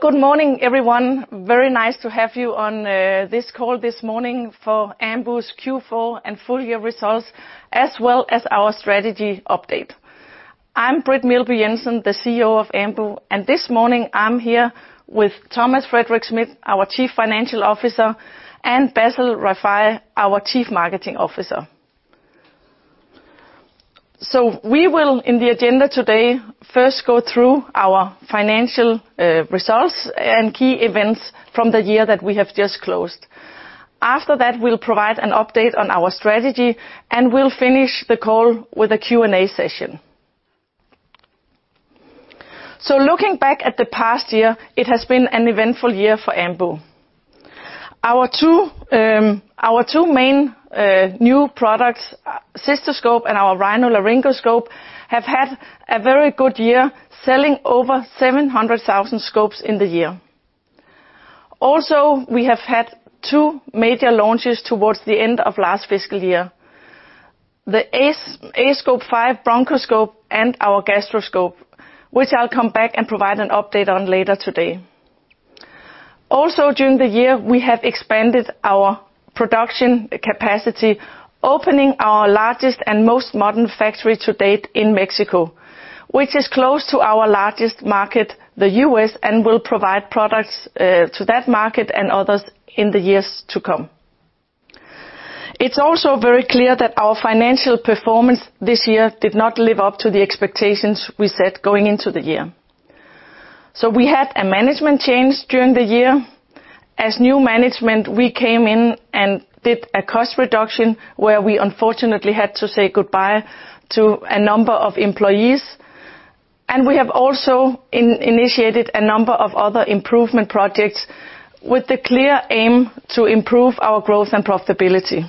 Good morning, everyone. Very nice to have you on this call this morning for Ambu's Q4 and full year results, as well as our strategy update. I'm Britt Meelby Jensen, the CEO of Ambu, and this morning I'm here with Thomas Schmidt, our Chief Financial Officer, and Bassel Rifai, our Chief Marketing Officer. We will, in the agenda today, first go through our financial results and key events from the year that we have just closed. After that, we'll provide an update on our strategy, and we'll finish the call with a Q&A session. Looking back at the past year, it has been an eventful year for Ambu. Our two main new products, cystoscope and our rhinolaryngoscope, have had a very good year, selling over 700,000 scopes in the year. We have had two major launches towards the end of last fiscal year, the aScope 5 Broncho and our Gastroscope, which I'll come back and provide an update on later today. During the year, we have expanded our production capacity, opening our largest and most modern factory to date in Mexico, which is close to our largest market, the US, and will provide products to that market and others in the years to come. It's also very clear that our financial performance this year did not live up to the expectations we set going into the year. We had a management change during the year. As new management, we came in and did a cost reduction where we unfortunately had to say goodbye to a number of employees, and we have also initiated a number of other improvement projects with the clear aim to improve our growth and profitability.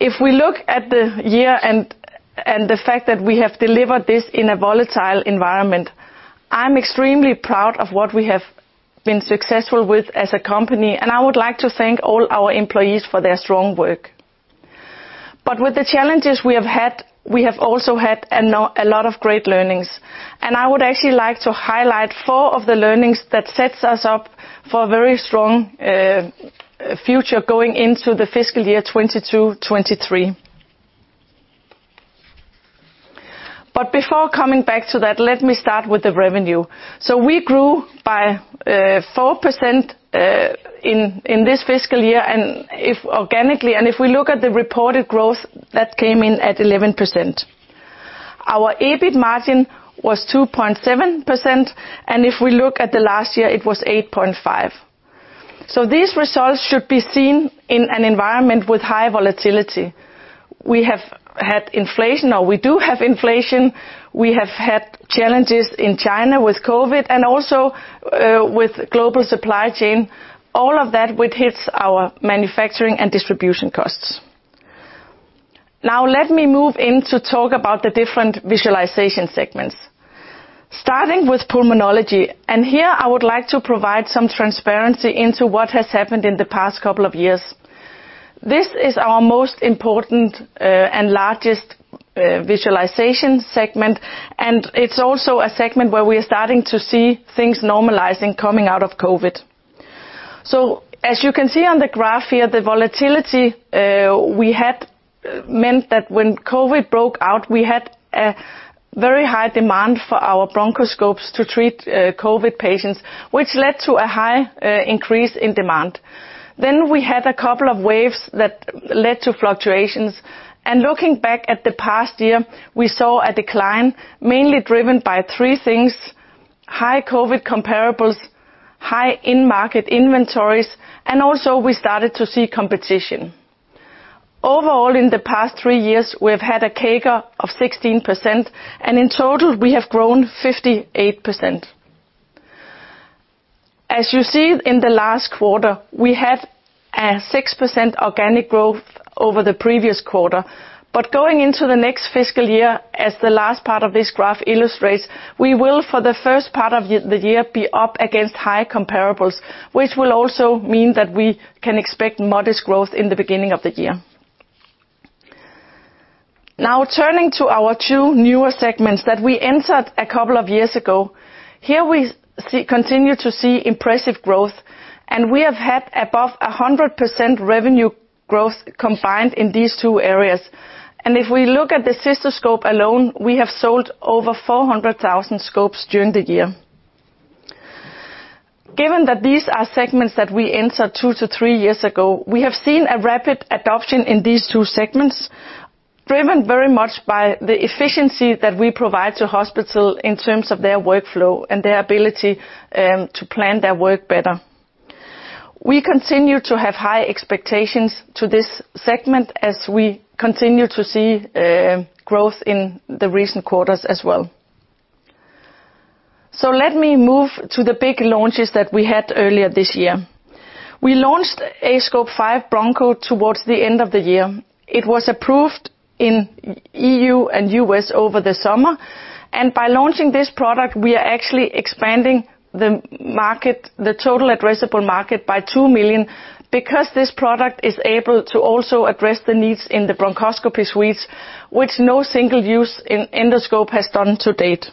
If we look at the year and the fact that we have delivered this in a volatile environment, I'm extremely proud of what we have been successful with as a company, and I would like to thank all our employees for their strong work. With the challenges we have had, we have also had a lot of great learnings, and I would actually like to highlight four of the learnings that sets us up for a very strong future going into the fiscal year 2022-2023. Before coming back to that, let me start with the revenue. We grew by 4% in this fiscal year and if organically, and if we look at the reported growth that came in at 11%. Our EBIT margin was 2.7%, and if we look at the last year, it was 8.5%. These results should be seen in an environment with high volatility. We have had inflation, or we do have inflation. We have had challenges in China with COVID and also with global supply chain, all of that which hits our manufacturing and distribution costs. Now let me move on to talk about the different visualization segments. Starting with pulmonology, and here I would like to provide some transparency into what has happened in the past couple of years. This is our most important and largest visualization segment, and it's also a segment where we are starting to see things normalizing coming out of COVID. As you can see on the graph here, the volatility we had meant that when COVID broke out, we had a very high demand for our bronchoscopes to treat COVID patients, which led to a high increase in demand. We had a couple of waves that led to fluctuations. Looking back at the past year, we saw a decline mainly driven by three things: high COVID comparables, high in-market inventories, and also we started to see competition. Overall, in the past three years, we have had a CAGR of 16%, and in total, we have grown 58%. As you see in the last quarter, we have a 6% organic growth over the previous quarter. Going into the next fiscal year, as the last part of this graph illustrates, we will, for the first part of the year, be up against high comparables, which will also mean that we can expect modest growth in the beginning of the year. Now turning to our two newer segments that we entered a couple of years ago. Here we continue to see impressive growth, and we have had above 100% revenue growth combined in these two areas. If we look at the cystoscope alone, we have sold over 400,000 scopes during the year. Given that these are segments that we entered 2-3 years ago, we have seen a rapid adoption in these two segments, driven very much by the efficiency that we provide to hospital in terms of their workflow and their ability to plan their work better. We continue to have high expectations to this segment as we continue to see growth in the recent quarters as well. Let me move to the big launches that we had earlier this year. We launched aScope 5 Broncho towards the end of the year. It was approved in EU and US over the summer. By launching this product, we are actually expanding the market, the total addressable market by 2 million because this product is able to also address the needs in the bronchoscopy suites, which no single-use endoscope has done to date.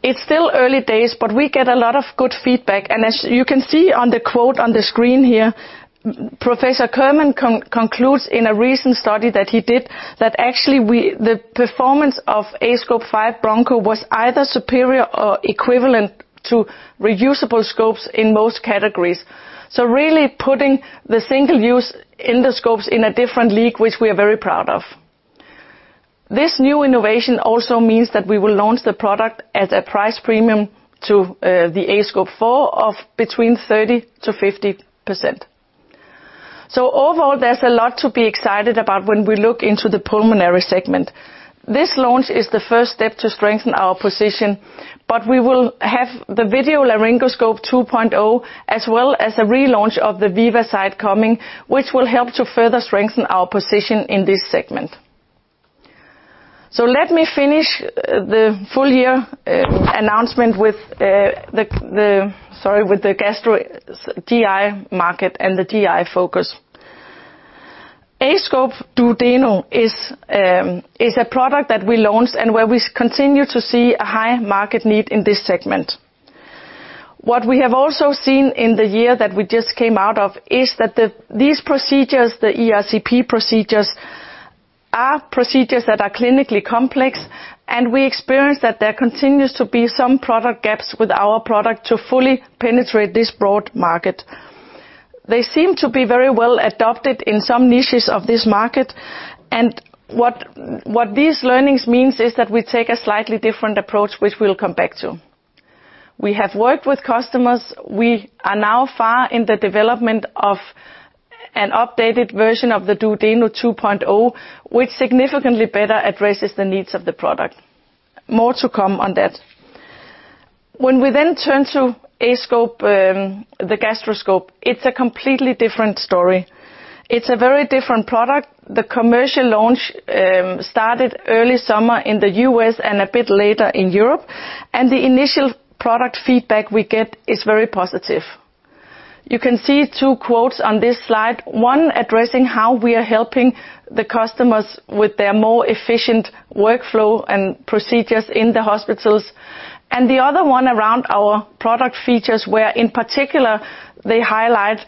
It's still early days, but we get a lot of good feedback. As you can see on the quote on the screen here, Professor Kieran concludes in a recent study that he did that actually the performance of aScope 5 Broncho was either superior or equivalent to reusable scopes in most categories. Really putting the single-use endoscopes in a different league, which we are very proud of. This new innovation also means that we will launch the product at a price premium to the aScope 4 of between 30%-50%. Overall, there's a lot to be excited about when we look into the pulmonary segment. This launch is the first step to strengthen our position, but we will have the video laryngoscope 2.0, as well as a relaunch of the VivaSight coming, which will help to further strengthen our position in this segment. Let me finish the full year announcement with the gastro GI market and the GI focus. aScope Duodeno is a product that we launched and where we continue to see a high market need in this segment. What we have also seen in the year that we just came out of is that the procedures, the ERCP procedures, are procedures that are clinically complex, and we experience that there continues to be some product gaps with our product to fully penetrate this broad market. They seem to be very well adopted in some niches of this market. What these learnings means is that we take a slightly different approach, which we'll come back to. We have worked with customers. We are now far in the development of an updated version of the Duodeno 2.0, which significantly better addresses the needs of the product. More to come on that. When we turn to aScope, the gastroscope, it's a completely different story. It's a very different product. The commercial launch started early summer in the U.S. and a bit later in Europe, and the initial product feedback we get is very positive. You can see two quotes on this slide, one addressing how we are helping the customers with their more efficient workflow and procedures in the hospitals, and the other one around our product features, where in particular, they highlight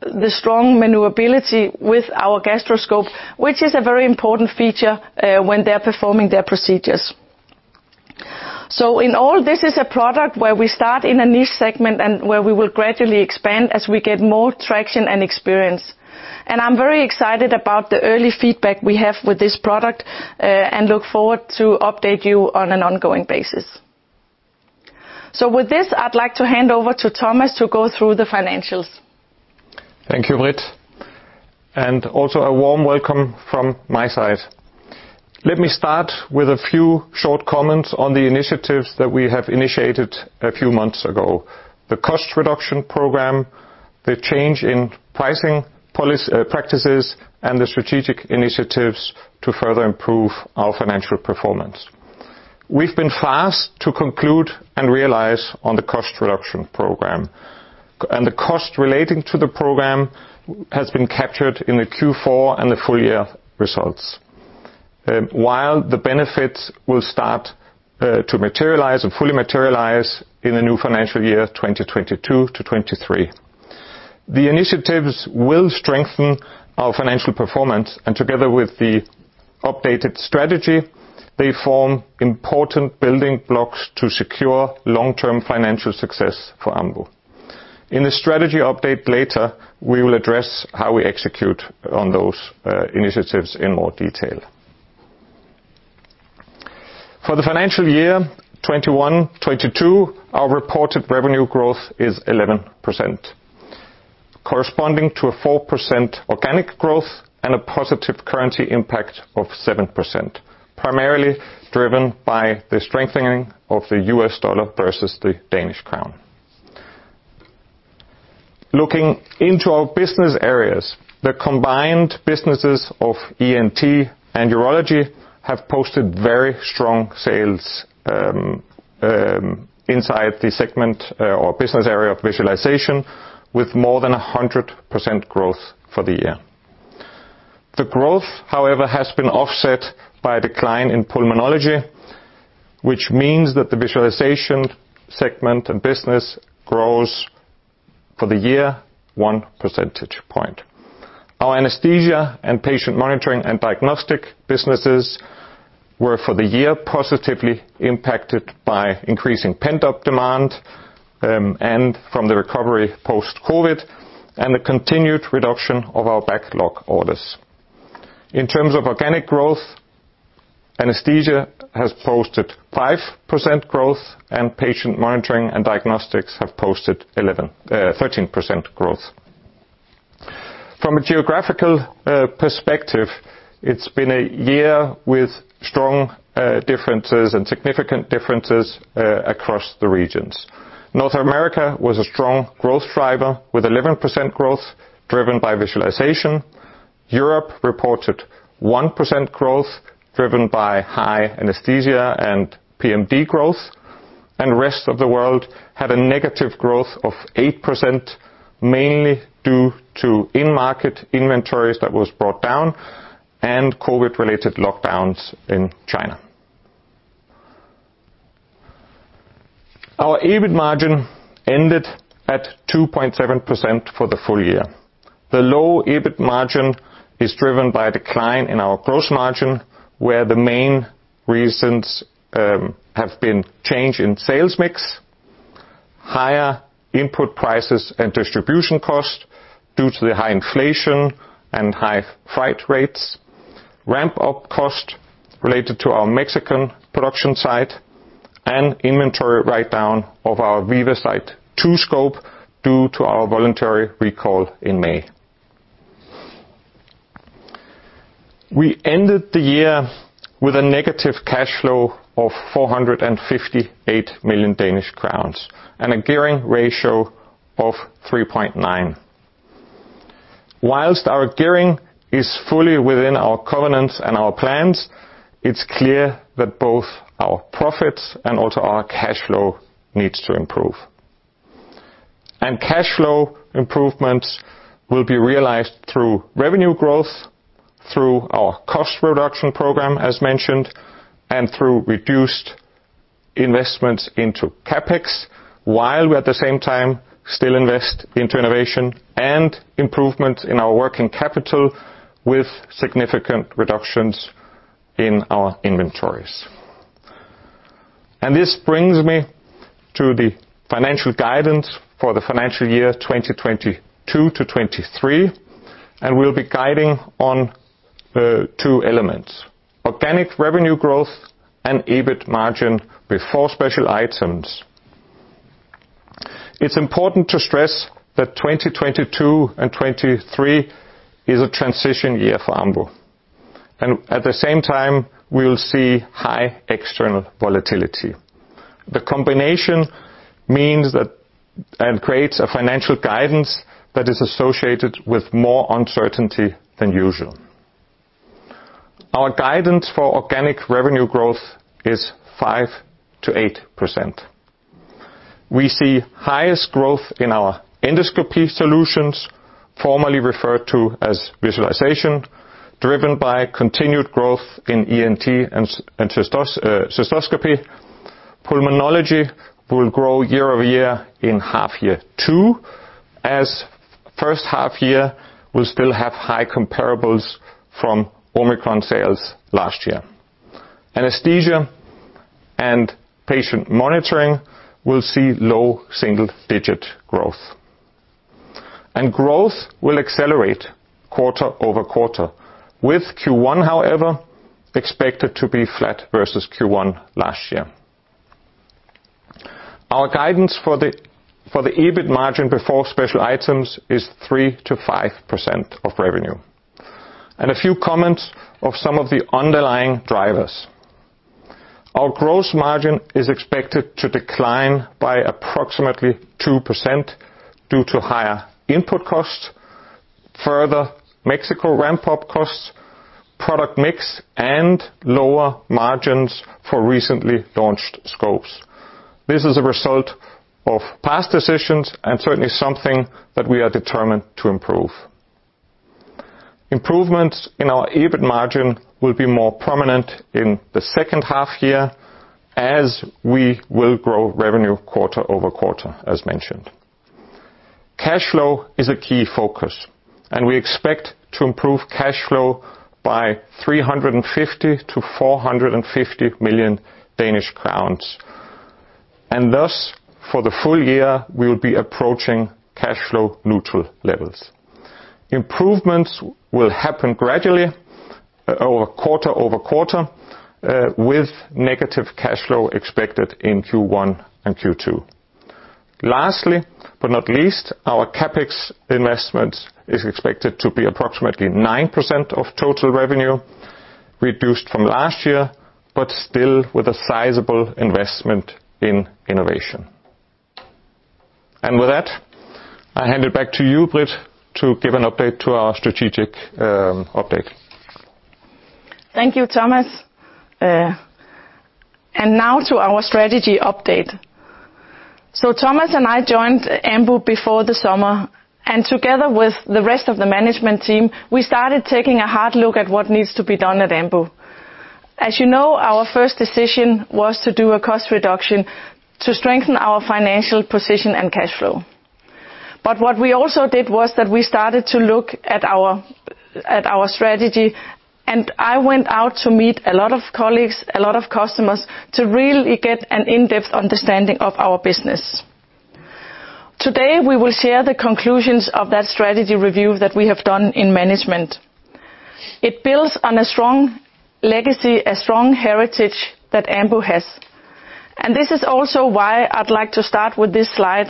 the strong maneuverability with our gastroscope, which is a very important feature when they're performing their procedures. In all, this is a product where we start in a niche segment and where we will gradually expand as we get more traction and experience. I'm very excited about the early feedback we have with this product, and look forward to update you on an ongoing basis. With this, I'd like to hand over to Thomas to go through the financials. Thank you, Britt. Also a warm welcome from my side. Let me start with a few short comments on the initiatives that we have initiated a few months ago. The cost reduction program, the change in pricing practices, and the strategic initiatives to further improve our financial performance. We've been fast to conclude and realize on the cost reduction program, and the cost relating to the program has been captured in the Q4 and the full year results. While the benefits will start to materialize and fully materialize in the new financial year 2022-2023. The initiatives will strengthen our financial performance, and together with the updated strategy, they form important building blocks to secure long-term financial success for Ambu. In the strategy update later, we will address how we execute on those initiatives in more detail. For the financial year 2021-2022, our reported revenue growth is 11%, corresponding to a 4% organic growth and a positive currency impact of 7%, primarily driven by the strengthening of the US dollar versus the Danish crown. Looking into our business areas, the combined businesses of ENT and Urology have posted very strong sales inside the segment or business area of visualization with more than 100% growth for the year. The growth, however, has been offset by a decline in pulmonology, which means that the visualization segment and business grows for the year one percentage point. Our anesthesia and Patient Monitoring & Diagnostic businesses were, for the year, positively impacted by increasing pent-up demand and from the recovery post-COVID, and the continued reduction of our backlog orders. In terms of organic growth, anesthesia has posted 5% growth, and Patient Monitoring & Diagnostics have posted thirteen percent growth. From a geographical perspective, it's been a year with strong differences and significant differences across the regions. North America was a strong growth driver with 11% growth driven by visualization. Europe reported 1% growth driven by high anesthesia and PMD growth. Rest of the world had a negative growth of 8%, mainly due to in-market inventories that was brought down and COVID related lockdowns in China. Our EBIT margin ended at 2.7% for the full year. The low EBIT margin is driven by a decline in our gross margin, where the main reasons have been change in sales mix, higher input prices and distribution costs due to the high inflation and high freight rates, ramp-up cost related to our Mexican production site, and inventory write-down of our VivaSight 2 scope, due to our voluntary recall in May. We ended the year with a negative cash flow of 458 million Danish crowns, and a gearing ratio of 3.9. Whilst our gearing is fully within our covenants and our plans, it's clear that both our profits and also our cash flow needs to improve. Cash flow improvements will be realized through revenue growth, through our cost reduction program, as mentioned, and through reduced investments into CapEx, while we at the same time still invest into innovation and improvement in our working capital with significant reductions in our inventories. This brings me to the financial guidance for the financial year 2022 to 2023, and we'll be guiding on two elements, organic revenue growth and EBIT margin before special items. It's important to stress that 2022 and 2023 is a transition year for Ambu. At the same time, we will see high external volatility. The combination means that, and creates a financial guidance that is associated with more uncertainty than usual. Our guidance for organic revenue growth is 5%-8%. We see highest growth in our Endoscopy Solutions, formerly referred to as visualization, driven by continued growth in ENT and cystoscopy. Pulmonology will grow year-over-year in H2, as H1 will still have high comparables from Omicron sales last year. Anesthesia and patient monitoring will see low single-digit growth. Growth will accelerate quarter-over-quarter, with Q1, however, expected to be flat versus Q1 last year. Our guidance for the EBIT margin before special items is 3%-5% of revenue. A few comments on some of the underlying drivers. Our gross margin is expected to decline by approximately 2% due to higher input costs, further Mexico ramp-up costs, product mix, and lower margins for recently launched scopes. This is a result of past decisions, and certainly something that we are determined to improve. Improvements in our EBIT margin will be more prominent in the second half year as we will grow revenue quarter-over-quarter, as mentioned. Cash flow is a key focus, and we expect to improve cash flow by 350 million-450 million Danish crowns. Thus, for the full year, we will be approaching cash flow neutral levels. Improvements will happen gradually over quarter-over-quarter, with negative cash flow expected in Q1 and Q2. Lastly, but not least, our CapEx investments is expected to be approximately 9% of total revenue, reduced from last year, but still with a sizable investment in innovation. With that, I hand it back to you, Britt, to give an update to our strategic update. Thank you, Thomas. Now to our strategy update. Thomas and I joined Ambu before the summer, and together with the rest of the management team, we started taking a hard look at what needs to be done at Ambu. As you know, our first decision was to do a cost reduction to strengthen our financial position and cash flow. What we also did was that we started to look at our strategy, and I went out to meet a lot of colleagues, a lot of customers, to really get an in-depth understanding of our business. Today, we will share the conclusions of that strategy review that we have done in management. It builds on a strong legacy, a strong heritage that Ambu has. This is also why I'd like to start with this slide,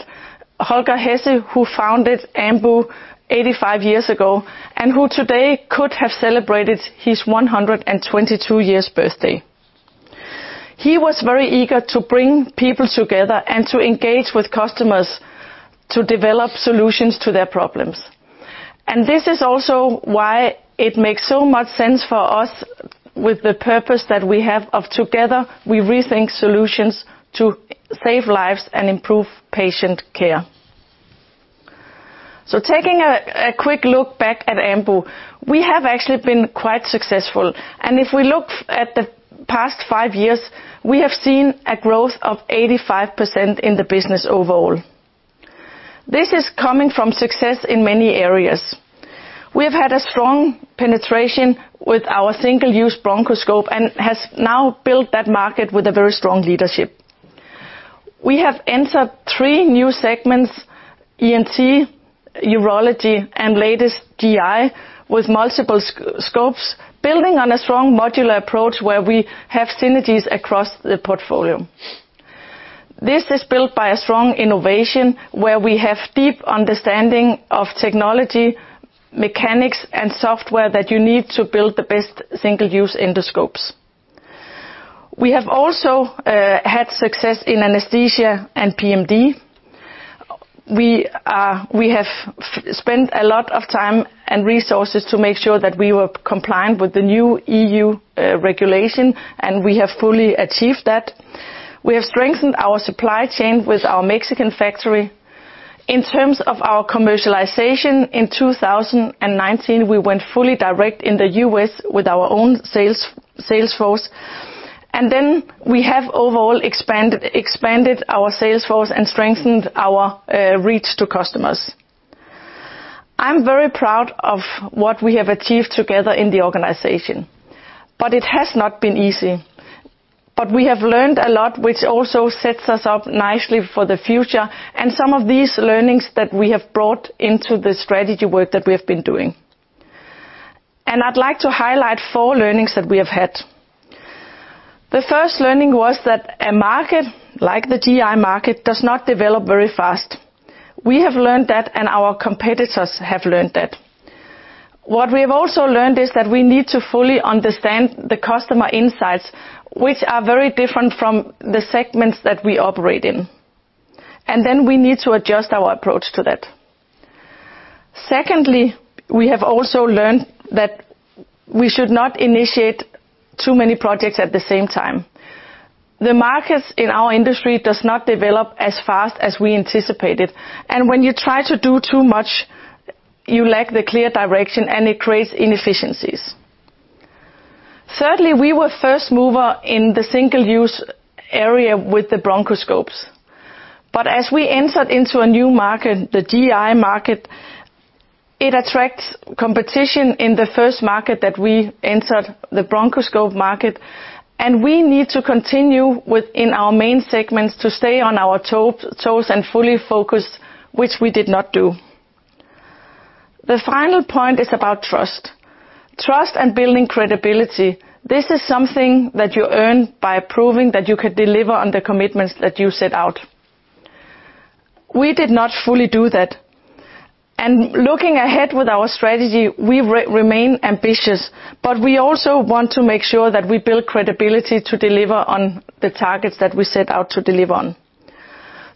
Holger Hesse, who founded Ambu 85 years ago, and who today could have celebrated his 122 years birthday. He was very eager to bring people together and to engage with customers to develop solutions to their problems. This is also why it makes so much sense for us with the purpose that we have of together we rethink solutions to save lives and improve patient care. Taking a quick look back at Ambu, we have actually been quite successful. If we look at the past 5 years, we have seen a growth of 85% in the business overall. This is coming from success in many areas. We have had a strong penetration with our single-use bronchoscope, and has now built that market with a very strong leadership. We have entered three new segments, ENT, urology, and latest GI, with multiple scopes, building on a strong modular approach where we have synergies across the portfolio. This is built by a strong innovation where we have deep understanding of technology, mechanics, and software that you need to build the best single-use endoscopes. We have also had success in anesthesia and PMD. We have spent a lot of time and resources to make sure that we were compliant with the new EU regulation, and we have fully achieved that. We have strengthened our supply chain with our Mexican factory. In terms of our commercialization in 2019, we went fully direct in the US with our own sales force. Then we have overall expanded our sales force and strengthened our reach to customers. I'm very proud of what we have achieved together in the organization, but it has not been easy. We have learned a lot, which also sets us up nicely for the future, and some of these learnings that we have brought into the strategy work that we have been doing. I'd like to highlight four learnings that we have had. The first learning was that a market, like the GI market, does not develop very fast. We have learned that, and our competitors have learned that. What we have also learned is that we need to fully understand the customer insights, which are very different from the segments that we operate in. Then we need to adjust our approach to that. Secondly, we have also learned that we should not initiate too many projects at the same time. The markets in our industry does not develop as fast as we anticipated, and when you try to do too much, you lack the clear direction, and it creates inefficiencies. Thirdly, we were first mover in the single use area with the bronchoscope. As we entered into a new market, the GI market, it attracts competition in the first market that we entered, the bronchoscope market, and we need to continue within our main segments to stay on our toes and fully focused, which we did not do. The final point is about trust. Trust and building credibility, this is something that you earn by proving that you can deliver on the commitments that you set out. We did not fully do that. Looking ahead with our strategy, we remain ambitious, but we also want to make sure that we build credibility to deliver on the targets that we set out to deliver on.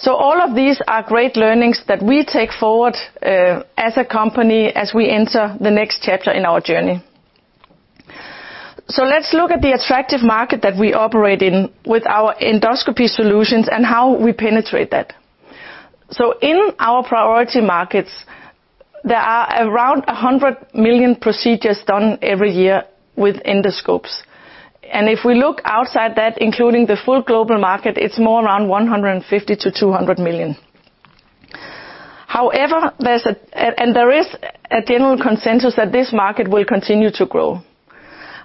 All of these are great learnings that we take forward as a company as we enter the next chapter in our journey. Let's look at the attractive market that we operate in with our Endoscopy Solutions and how we penetrate that. In our priority markets, there are around 100 million procedures done every year with endoscopes. If we look outside that, including the full global market, it's more around 150-200 million. However, there is a general consensus that this market will continue to grow.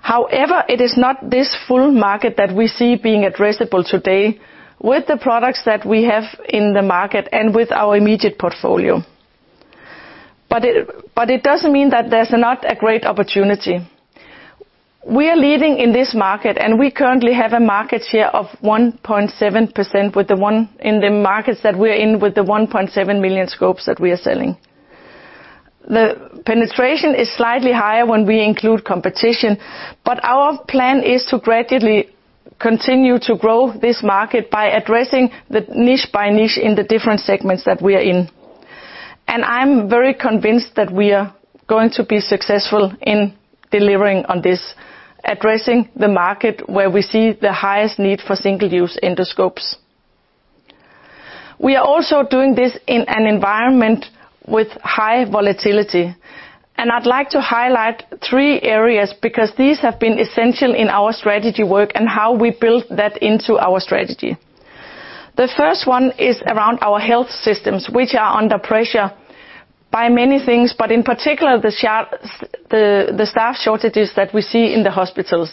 However, it is not this full market that we see being addressable today with the products that we have in the market and with our immediate portfolio. It doesn't mean that there's not a great opportunity. We are leading in this market, and we currently have a market share of 1.7% in the markets that we're in with the 1.7 million scopes that we are selling. The penetration is slightly higher when we include competition, but our plan is to gradually continue to grow this market by addressing the niche by niche in the different segments that we are in. I'm very convinced that we are going to be successful in delivering on this, addressing the market where we see the highest need for single-use endoscopes. We are also doing this in an environment with high volatility, and I'd like to highlight three areas because these have been essential in our strategy work and how we build that into our strategy. The first one is around our health systems, which are under pressure by many things, but in particular the staff shortages that we see in the hospitals.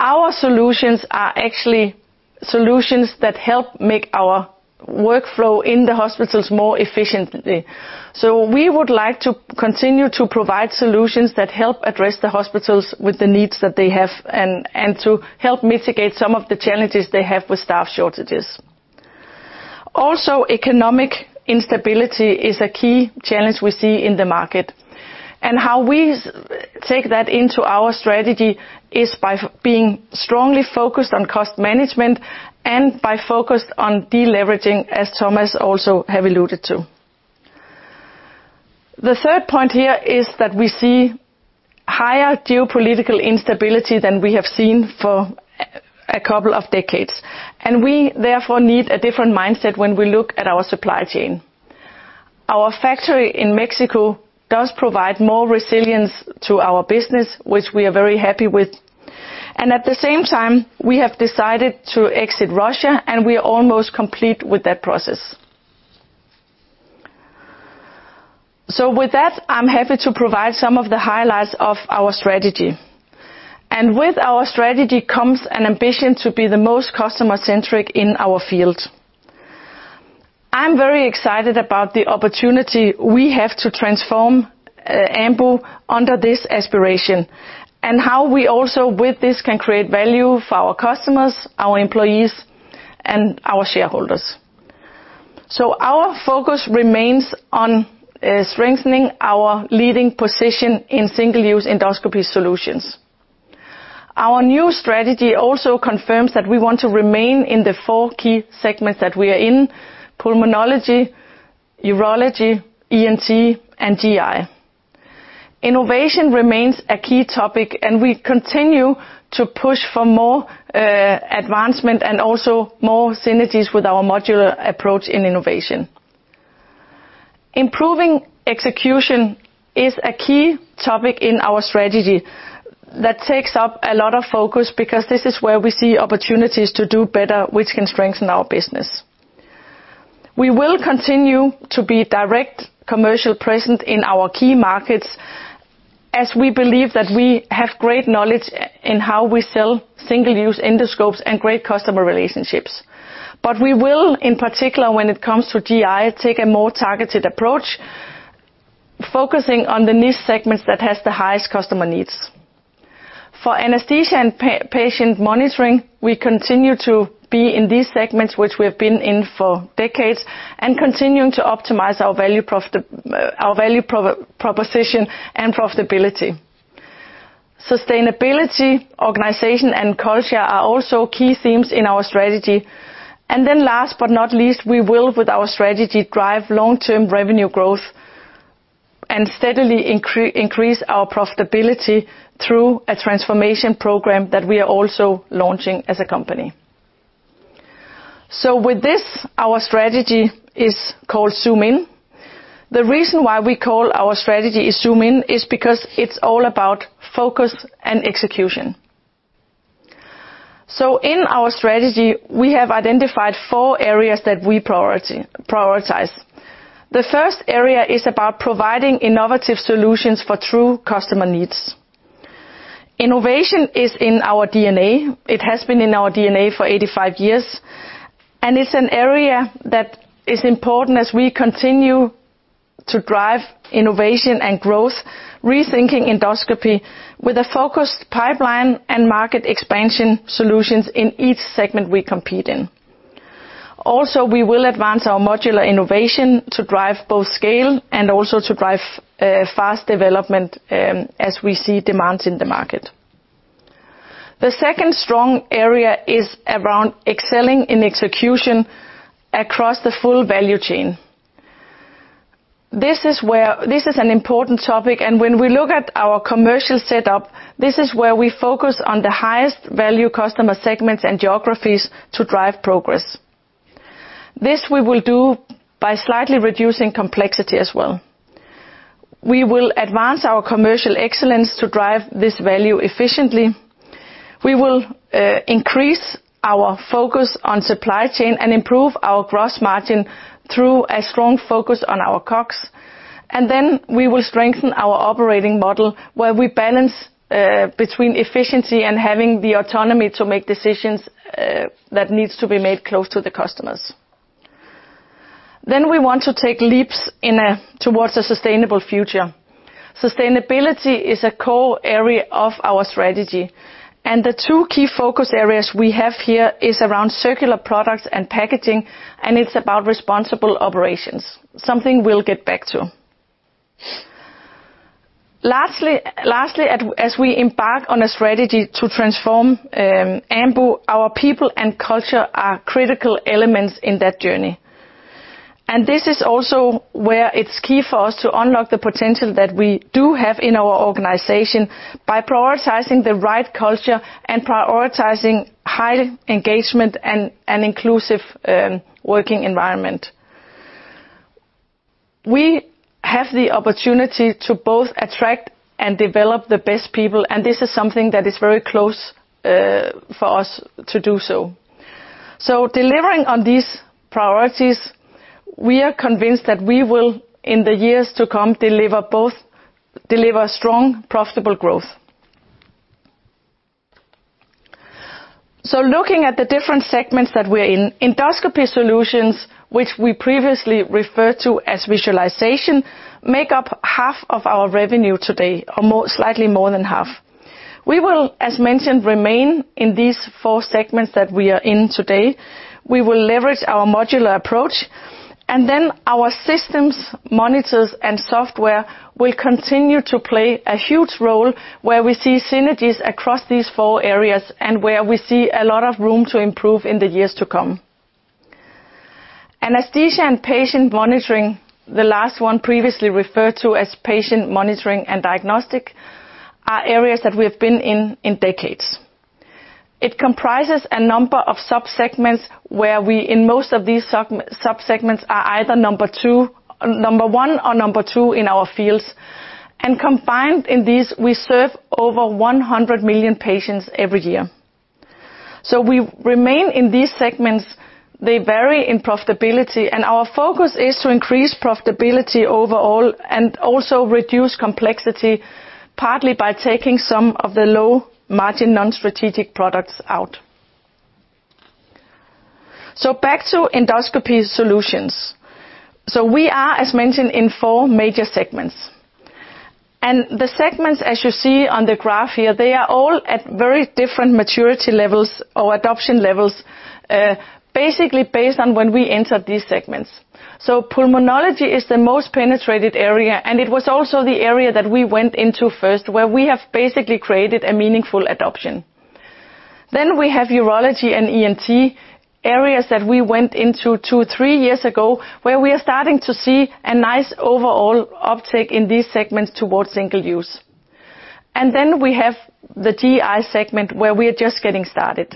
Our solutions are actually solutions that help make our workflow in the hospitals more efficiently. We would like to continue to provide solutions that help address the hospitals with the needs that they have and to help mitigate some of the challenges they have with staff shortages. Also, economic instability is a key challenge we see in the market. How we take that into our strategy is by being strongly focused on cost management and deleveraging, as Thomas also have alluded to. The third point here is that we see higher geopolitical instability than we have seen for a couple of decades, and we therefore need a different mindset when we look at our supply chain. Our factory in Mexico does provide more resilience to our business, which we are very happy with. At the same time, we have decided to exit Russia, and we are almost complete with that process. With that, I'm happy to provide some of the highlights of our strategy, and with our strategy comes an ambition to be the most customer-centric in our field. I am very excited about the opportunity we have to transform, Ambu under this aspiration, and how we also with this can create value for our customers, our employees, and our shareholders. Our focus remains on strengthening our leading position in single-use endoscopy solutions. Our new strategy also confirms that we want to remain in the four key segments that we are in, pulmonology, urology, ENT, and GI. Innovation remains a key topic, and we continue to push for more advancement and also more synergies with our modular approach in innovation. Improving execution is a key topic in our strategy that takes up a lot of focus because this is where we see opportunities to do better, which can strengthen our business. We will continue to be direct commercial presence in our key markets as we believe that we have great knowledge in how we sell single-use endoscopes and great customer relationships. We will, in particular, when it comes to GI, take a more targeted approach, focusing on the niche segments that has the highest customer needs. For anesthesia and patient monitoring, we continue to be in these segments, which we have been in for decades and continuing to optimize our value proposition and profitability. Sustainability, organization, and culture are also key themes in our strategy. Last but not least, we will with our strategy drive long-term revenue growth and steadily increase our profitability through a transformation program that we are also launching as a company. With this, our strategy is called Zoom In. The reason why we call our strategy Zoom In is because it's all about focus and execution. In our strategy, we have identified 4 areas that we prioritize. The first area is about providing innovative solutions for true customer needs. Innovation is in our DNA. It has been in our DNA for 85 years, and it's an area that is important as we continue to drive innovation and growth, rethinking endoscopy with a focused pipeline and market expansion solutions in each segment we compete in. Also, we will advance our modular innovation to drive both scale and also to drive fast development as we see demands in the market. The second strong area is around excelling in execution across the full value chain. This is an important topic, and when we look at our commercial setup, this is where we focus on the highest value customer segments and geographies to drive progress. This we will do by slightly reducing complexity as well. We will advance our commercial excellence to drive this value efficiently. We will increase our focus on supply chain and improve our gross margin through a strong focus on our COGS, and then we will strengthen our operating model, where we balance between efficiency and having the autonomy to make decisions that needs to be made close to the customers. We want to take leaps towards a sustainable future. Sustainability is a core area of our strategy, and the two key focus areas we have here is around circular products and packaging, and it's about responsible operations, something we'll get back to. Lastly, as we embark on a strategy to transform Ambu, our people and culture are critical elements in that journey. This is also where it's key for us to unlock the potential that we do have in our organization by prioritizing the right culture and prioritizing high engagement and an inclusive working environment. We have the opportunity to both attract and develop the best people, and this is something that is very close for us to do so. Delivering on these priorities, we are convinced that we will, in the years to come, deliver strong, profitable growth. Looking at the different segments that we're in, Endoscopy Solutions, which we previously referred to as Visualization, make up half of our revenue today or more, slightly more than half. We will, as mentioned, remain in these four segments that we are in today. We will leverage our modular approach, and then our systems, monitors, and software will continue to play a huge role where we see synergies across these four areas and where we see a lot of room to improve in the years to come. Anesthesia and patient monitoring, the last one previously referred to as patient monitoring and diagnostic, are areas that we have been in for decades. It comprises a number of sub-segments where we, in most of these sub-segments, are either number one or number two in our fields. Combined in these, we serve over 100 million patients every year. We remain in these segments. They vary in profitability, and our focus is to increase profitability overall and also reduce complexity, partly by taking some of the low-margin non-strategic products out. Back to Endoscopy Solutions. We are, as mentioned, in four major segments. The segments, as you see on the graph here, they are all at very different maturity levels or adoption levels, basically based on when we entered these segments. Pulmonology is the most penetrated area, and it was also the area that we went into first, where we have basically created a meaningful adoption. We have urology and ENT, areas that we went into two, three years ago, where we are starting to see a nice overall uptake in these segments towards single use. We have the GI segment, where we are just getting started.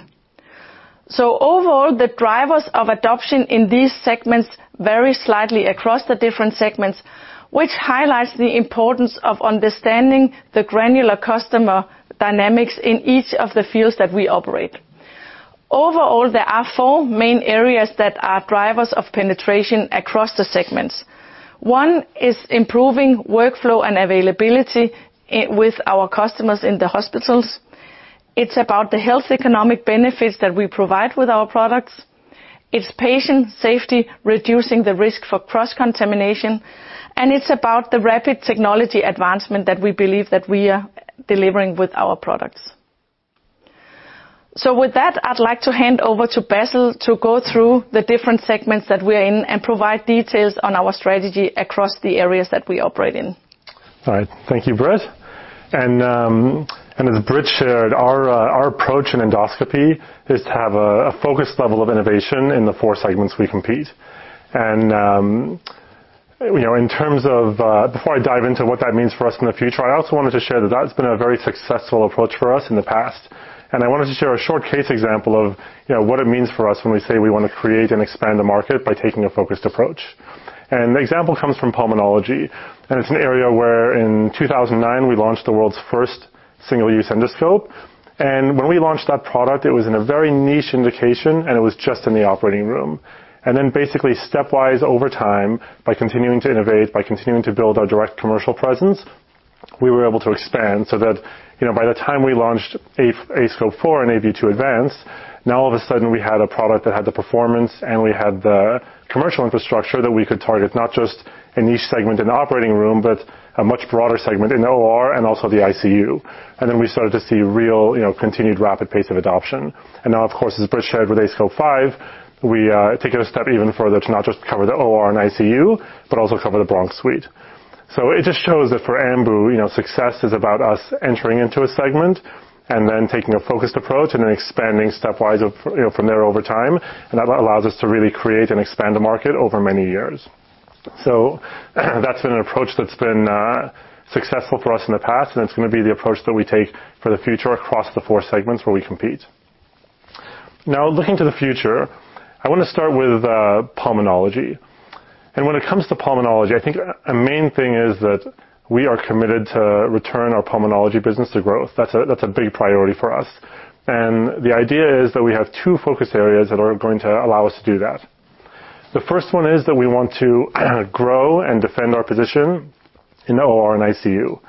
Overall, the drivers of adoption in these segments vary slightly across the different segments, which highlights the importance of understanding the granular customer dynamics in each of the fields that we operate. Overall, there are four main areas that are drivers of penetration across the segments. One is improving workflow and availability with our customers in the hospitals. It's about the health economic benefits that we provide with our products. It's patient safety, reducing the risk for cross-contamination, and it's about the rapid technology advancement that we believe that we are delivering with our products. With that, I'd like to hand over to Bassel to go through the different segments that we are in and provide details on our strategy across the areas that we operate in. All right. Thank you, Britt. As Britt shared, our approach in endoscopy is to have a focused level of innovation in the four segments we compete. You know, in terms of, before I dive into what that means for us in the future, I also wanted to share that that's been a very successful approach for us in the past. I wanted to share a short case example of, you know, what it means for us when we say we want to create and expand the market by taking a focused approach. The example comes from pulmonology, and it's an area where in 2009 we launched the world's first single-use endoscope. When we launched that product, it was in a very niche indication, and it was just in the operating room. Basically stepwise over time, by continuing to innovate, by continuing to build our direct commercial presence, we were able to expand so that, you know, by the time we launched aScope 4 and aView 2 Advance, now all of a sudden we had a product that had the performance, and we had the commercial infrastructure that we could target, not just a niche segment in the operating room, but a much broader segment in OR and also the ICU. We started to see real, you know, continued rapid pace of adoption. Now, of course, as Britt shared with aScope 5, we take it a step even further to not just cover the OR and ICU, but also cover the bronch suite. It just shows that for Ambu, you know, success is about us entering into a segment and then taking a focused approach and then expanding stepwise of, you know, from there over time, and that allows us to really create and expand the market over many years. That's been an approach that's been successful for us in the past, and it's gonna be the approach that we take for the future across the four segments where we compete. Now looking to the future, I wanna start with pulmonology. When it comes to pulmonology, I think a main thing is that we are committed to return our pulmonology business to growth. That's a big priority for us. The idea is that we have two focus areas that are going to allow us to do that. The first one is that we want to grow and defend our position in OR and ICU.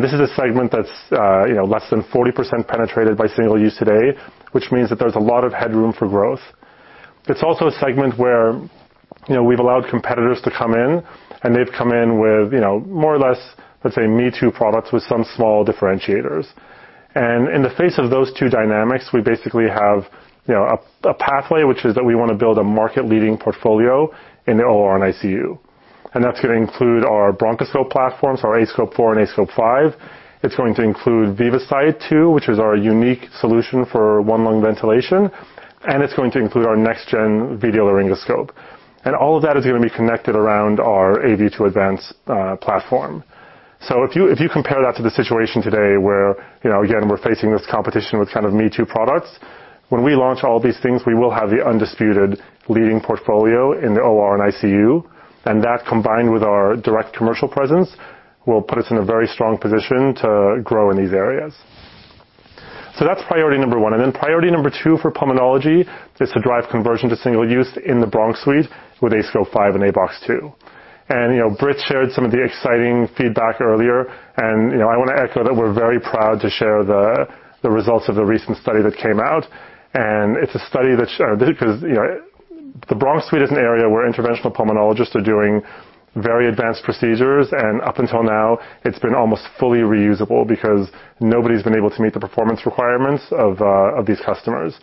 This is a segment that's less than 40% penetrated by single-use today, which means that there's a lot of headroom for growth. It's also a segment where we've allowed competitors to come in, and they've come in with more or less, let's say me-too products with some small differentiators. In the face of those two dynamics, we basically have a pathway which is that we wanna build a market-leading portfolio in the OR and ICU. That's gonna include our bronchoscope platforms, our aScope 4 and aScope 5. It's going to include VivaSight 2, which is our unique solution for one lung ventilation, and it's going to include our next gen video laryngoscope. All of that is gonna be connected around our aView 2 Advance platform. So if you compare that to the situation today where, you know, again, we're facing this competition with kind of me-too products, when we launch all these things, we will have the undisputed leading portfolio in the OR and ICU, and that combined with our direct commercial presence, will put us in a very strong position to grow in these areas. So that's priority number one. Then priority number two for pulmonology is to drive conversion to single-use in the bronch suite with aScope 5 and aBox 2. You know, Britt shared some of the exciting feedback earlier, and, you know, I wanna echo that we're very proud to share the results of the recent study that came out. It's a study that because, you know, the bronch suite is an area where interventional pulmonologists are doing very advanced procedures, and up until now, it's been almost fully reusable because nobody's been able to meet the performance requirements of these customers.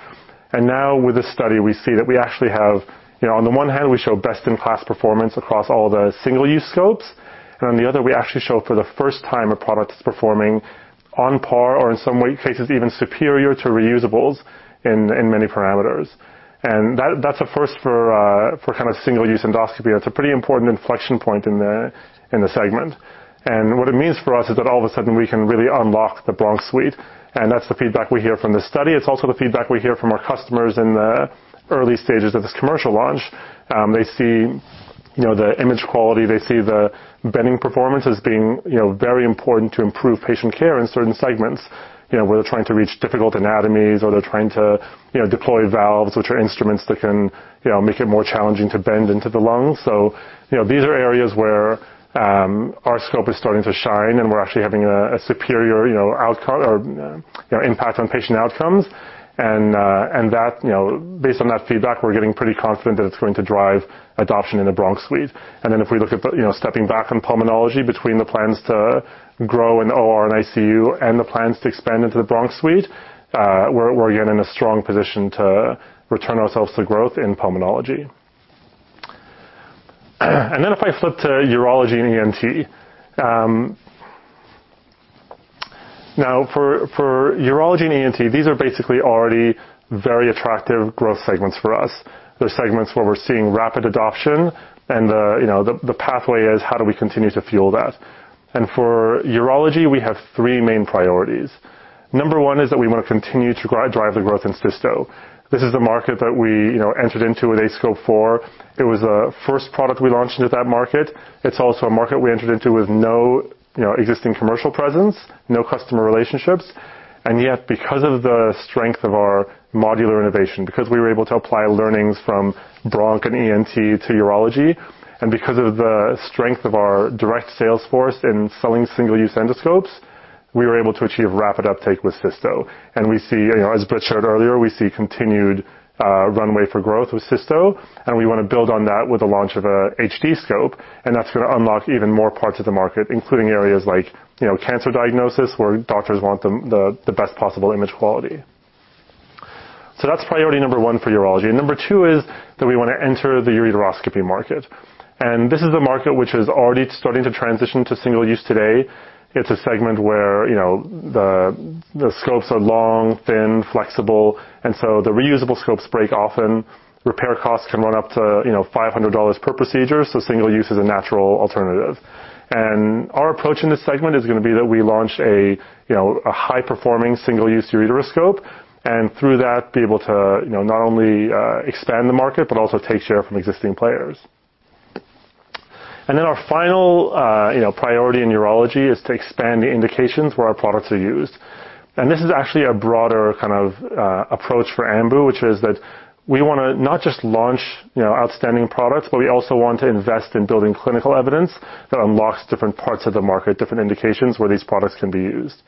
Now with this study, we see that we actually have, you know, on the one hand, we show best-in-class performance across all the single-use scopes. On the other, we actually show for the first time a product that's performing on par or in some way cases even superior to reusables in many parameters. That's a first for kind of single-use endoscopy. That's a pretty important inflection point in the segment. What it means for us is that all of a sudden, we can really unlock the bronch suite, and that's the feedback we hear from the study. It's also the feedback we hear from our customers in the early stages of this commercial launch. They see, you know, the image quality, they see the bending performance as being, you know, very important to improve patient care in certain segments. You know, where they're trying to reach difficult anatomies or they're trying to, you know, deploy valves, which are instruments that can, you know, make it more challenging to bend into the lungs. These are areas where our scope is starting to shine, and we're actually having a superior, you know, impact on patient outcomes. Based on that feedback, you know, we're getting pretty confident that it's going to drive adoption in the bronch suite. If we look at, you know, stepping back in pulmonology between the plans to grow in OR and ICU and the plans to expand into the bronch suite, we're again in a strong position to return ourselves to growth in pulmonology. If I flip to urology and ENT. Now for urology and ENT, these are basically already very attractive growth segments for us. They're segments where we're seeing rapid adoption and, you know, the pathway is how do we continue to fuel that? For urology, we have three main priorities. Number one is that we want to continue to drive the growth in cysto. This is the market that we, you know, entered into with aScope 4. It was the first product we launched into that market. It's also a market we entered into with no, you know, existing commercial presence, no customer relationships. Yet, because of the strength of our modular innovation, because we were able to apply learnings from bronch and ENT to urology, and because of the strength of our direct sales force in selling single-use endoscopes, we were able to achieve rapid uptake with cysto. We see, you know, as Britt shared earlier, continued runway for growth with cysto, and we wanna build on that with the launch of an HD scope, and that's gonna unlock even more parts of the market, including areas like, you know, cancer diagnosis, where doctors want the best possible image quality. That's priority number one for urology. Number two is that we wanna enter the ureteroscopy market. This is a market which is already starting to transition to single-use today. It's a segment where you know the scopes are long, thin, flexible, and so the reusable scopes break often. Repair costs can run up to you know $500 per procedure, so single-use is a natural alternative. Our approach in this segment is gonna be that we launch a you know high-performing single-use ureteroscope, and through that be able to you know not only expand the market but also take share from existing players. Then our final you know priority in urology is to expand the indications where our products are used. This is actually a broader kind of approach for Ambu, which is that we wanna not just launch, you know, outstanding products, but we also want to invest in building clinical evidence that unlocks different parts of the market, different indications where these products can be used.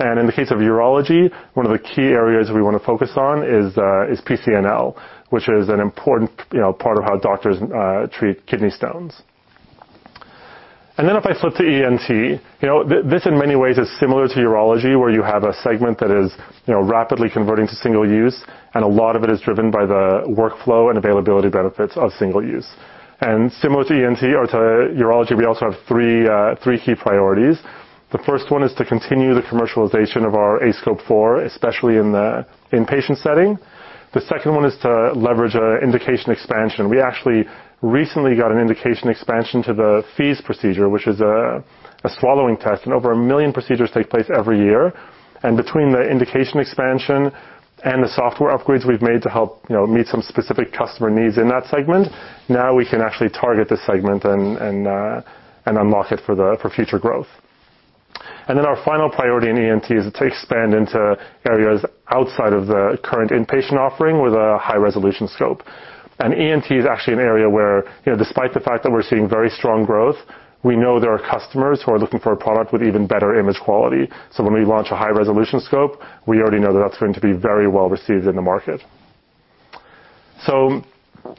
In the case of urology, one of the key areas we wanna focus on is PCNL, which is an important, you know, part of how doctors treat kidney stones. If I flip to ENT, you know, this in many ways is similar to urology, where you have a segment that is, you know, rapidly converting to single use, and a lot of it is driven by the workflow and availability benefits of single use. Similar to ENT or to urology, we also have three key priorities. The first one is to continue the commercialization of our aScope 4, especially in the inpatient setting. The second one is to leverage indication expansion. We actually recently got an indication expansion to the FEES procedure, which is a swallowing test, and over 1 million procedures take place every year. Between the indication expansion and the software upgrades we've made to help, you know, meet some specific customer needs in that segment, now we can actually target the segment and unlock it for future growth. Then our final priority in ENT is to expand into areas outside of the current inpatient offering with a high-resolution scope. ENT is actually an area where, you know, despite the fact that we're seeing very strong growth, we know there are customers who are looking for a product with even better image quality. When we launch a high-resolution scope, we already know that that's going to be very well-received in the market.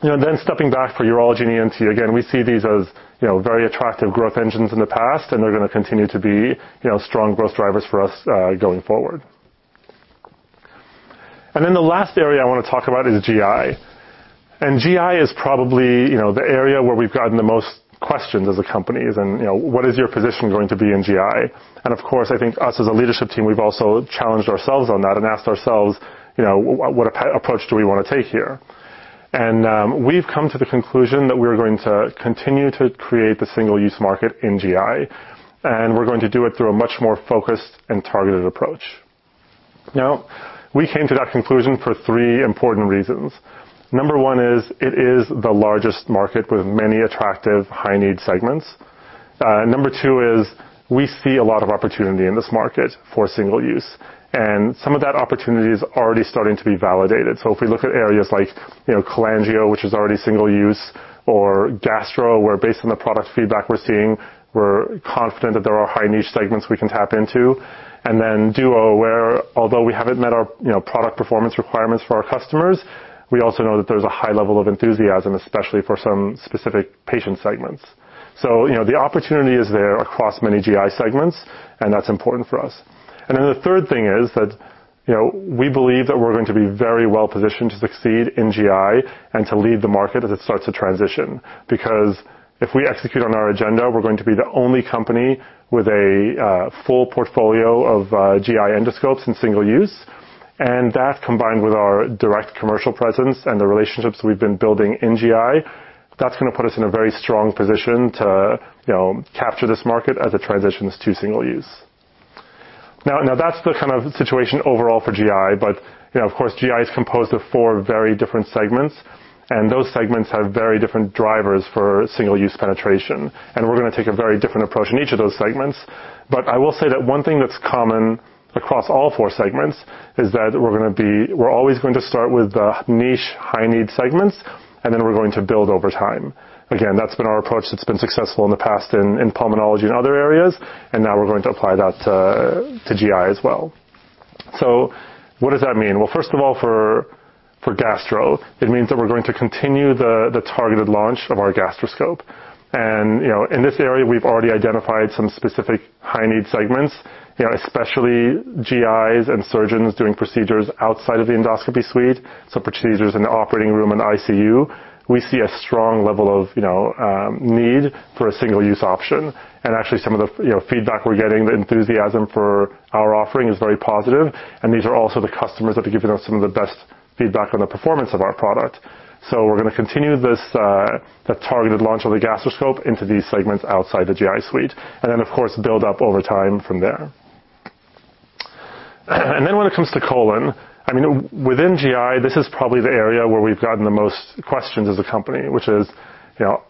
You know, then stepping back for urology and ENT, again, we see these as, you know, very attractive growth engines in the past, and they're gonna continue to be, you know, strong growth drivers for us, going forward. The last area I wanna talk about is GI. GI is probably, you know, the area where we've gotten the most questions as a company is, and, you know, what is your position going to be in GI? Of course, I think us as a leadership team, we've also challenged ourselves on that and asked ourselves, you know, what approach do we wanna take here? We've come to the conclusion that we're going to continue to create the single-use market in GI, and we're going to do it through a much more focused and targeted approach. Now, we came to that conclusion for three important reasons. Number one is it is the largest market with many attractive high-need segments. Number two is we see a lot of opportunity in this market for single use, and some of that opportunity is already starting to be validated. If we look at areas like, you know, cholangio, which is already single use or gastro, where based on the product feedback we're seeing, we're confident that there are high niche segments we can tap into. Duodeno, where although we haven't met our, you know, product performance requirements for our customers, we also know that there's a high level of enthusiasm, especially for some specific patient segments. You know, the opportunity is there across many GI segments, and that's important for us. The third thing is. You know, we believe that we're going to be very well-positioned to succeed in GI and to lead the market as it starts to transition. Because if we execute on our agenda, we're going to be the only company with a full portfolio of GI endoscopes in single use. That combined with our direct commercial presence and the relationships we've been building in GI, that's gonna put us in a very strong position to, you know, capture this market as it transitions to single use. Now that's the kind of situation overall for GI, but, you know, of course, GI is composed of four very different segments, and those segments have very different drivers for single-use penetration. We're gonna take a very different approach in each of those segments. I will say that one thing that's common across all four segments is that we're always going to start with the niche high-need segments, and then we're going to build over time. Again, that's been our approach that's been successful in the past in pulmonology and other areas, and now we're going to apply that to GI as well. What does that mean? Well, first of all, for gastro, it means that we're going to continue the targeted launch of our Gastroscope. You know, in this area, we've already identified some specific high-need segments, you know, especially GIs and surgeons doing procedures outside of the endoscopy suite, so procedures in the operating room and ICU. We see a strong level of, you know, need for a single-use option, and actually some of the feedback we're getting, the enthusiasm for our offering is very positive, and these are also the customers that have given us some of the best feedback on the performance of our product. We're gonna continue this, the targeted launch of the gastroscope into these segments outside the GI suite and then, of course, build up over time from there. Then when it comes to colon, I mean, within GI, this is probably the area where we've gotten the most questions as a company, which is, you know,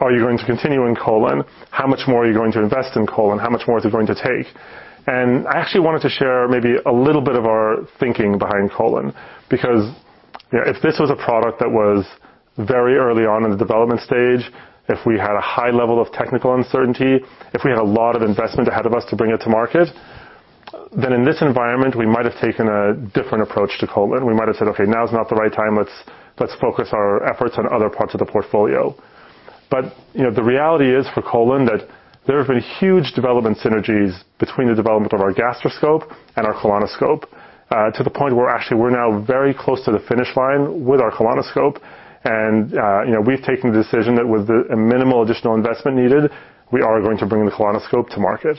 are you going to continue in colon? How much more are you going to invest in colon? How much more is it going to take? And I actually wanted to share maybe a little bit of our thinking behind colon because, you know, if this was a product that was very early on in the development stage, if we had a high level of technical uncertainty, if we had a lot of investment ahead of us to bring it to market, then in this environment, we might have taken a different approach to colon. We might have said, "Okay, now is not the right time. Let's focus our efforts on other parts of the portfolio." You know, the reality is for colon that there have been huge development synergies between the development of our Gastroscope and our Colonoscope, to the point where actually we're now very close to the finish line with our Colonoscope. You know, we've taken the decision that with the minimal additional investment needed, we are going to bring the Colonoscope to market.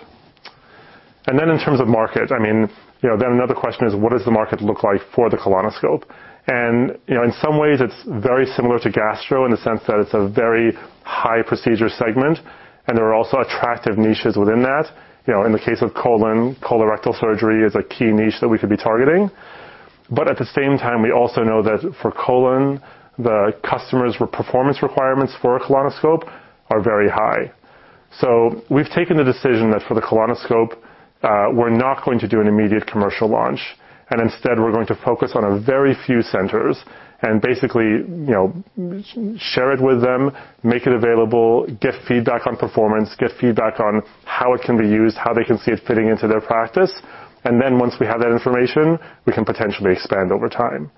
In terms of market, I mean, you know, another question is, what does the market look like for the Colonoscope? You know, in some ways, it's very similar to gastro in the sense that it's a very high procedure segment, and there are also attractive niches within that. You know, in the case of colon, colorectal surgery is a key niche that we could be targeting. At the same time, we also know that for colon, the customers' performance requirements for a colonoscope are very high. We've taken the decision that for the colonoscope, we're not going to do an immediate commercial launch, and instead, we're going to focus on a very few centers and basically, you know, share it with them, make it available, get feedback on performance, get feedback on how it can be used, how they can see it fitting into their practice. Once we have that information, we can potentially expand over time.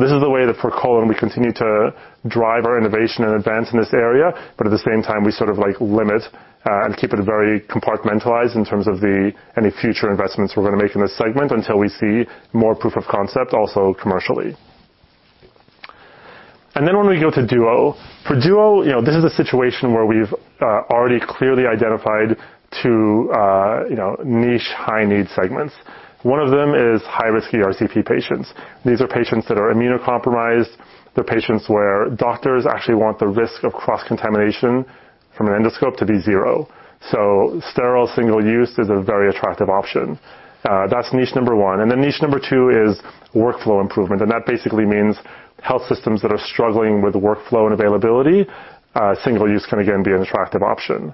This is the way that for colon, we continue to drive our innovation and advance in this area, but at the same time, we sort of like limit and keep it very compartmentalized in terms of any future investments we're gonna make in this segment until we see more proof of concept also commercially. When we go to Duodeno. For Duodeno, you know, this is a situation where we've already clearly identified two, you know, niche high-need segments. One of them is high-risk ERCP patients. These are patients that are immunocompromised. They're patients where doctors actually want the risk of cross-contamination from an endoscope to be zero. Sterile single use is a very attractive option. That's niche number one. Niche number two is workflow improvement and that basically means health systems that are struggling with workflow and availability. Single use can again be an attractive option.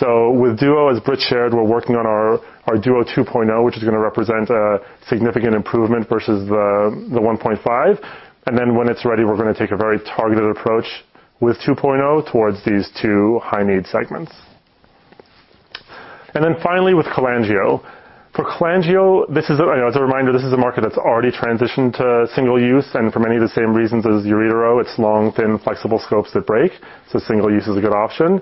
With Duodeno, as Britt shared, we're working on our Duodeno 2.0, which is gonna represent a significant improvement versus the 1.5. When it's ready, we're gonna take a very targeted approach with 2.0 towards these two high-need segments. Finally with cholangioscope. For cholangioscope, this is you know, as a reminder, this is a market that's already transitioned to single use and for many of the same reasons as uretero. It's long, thin, flexible scopes that break, so single use is a good option.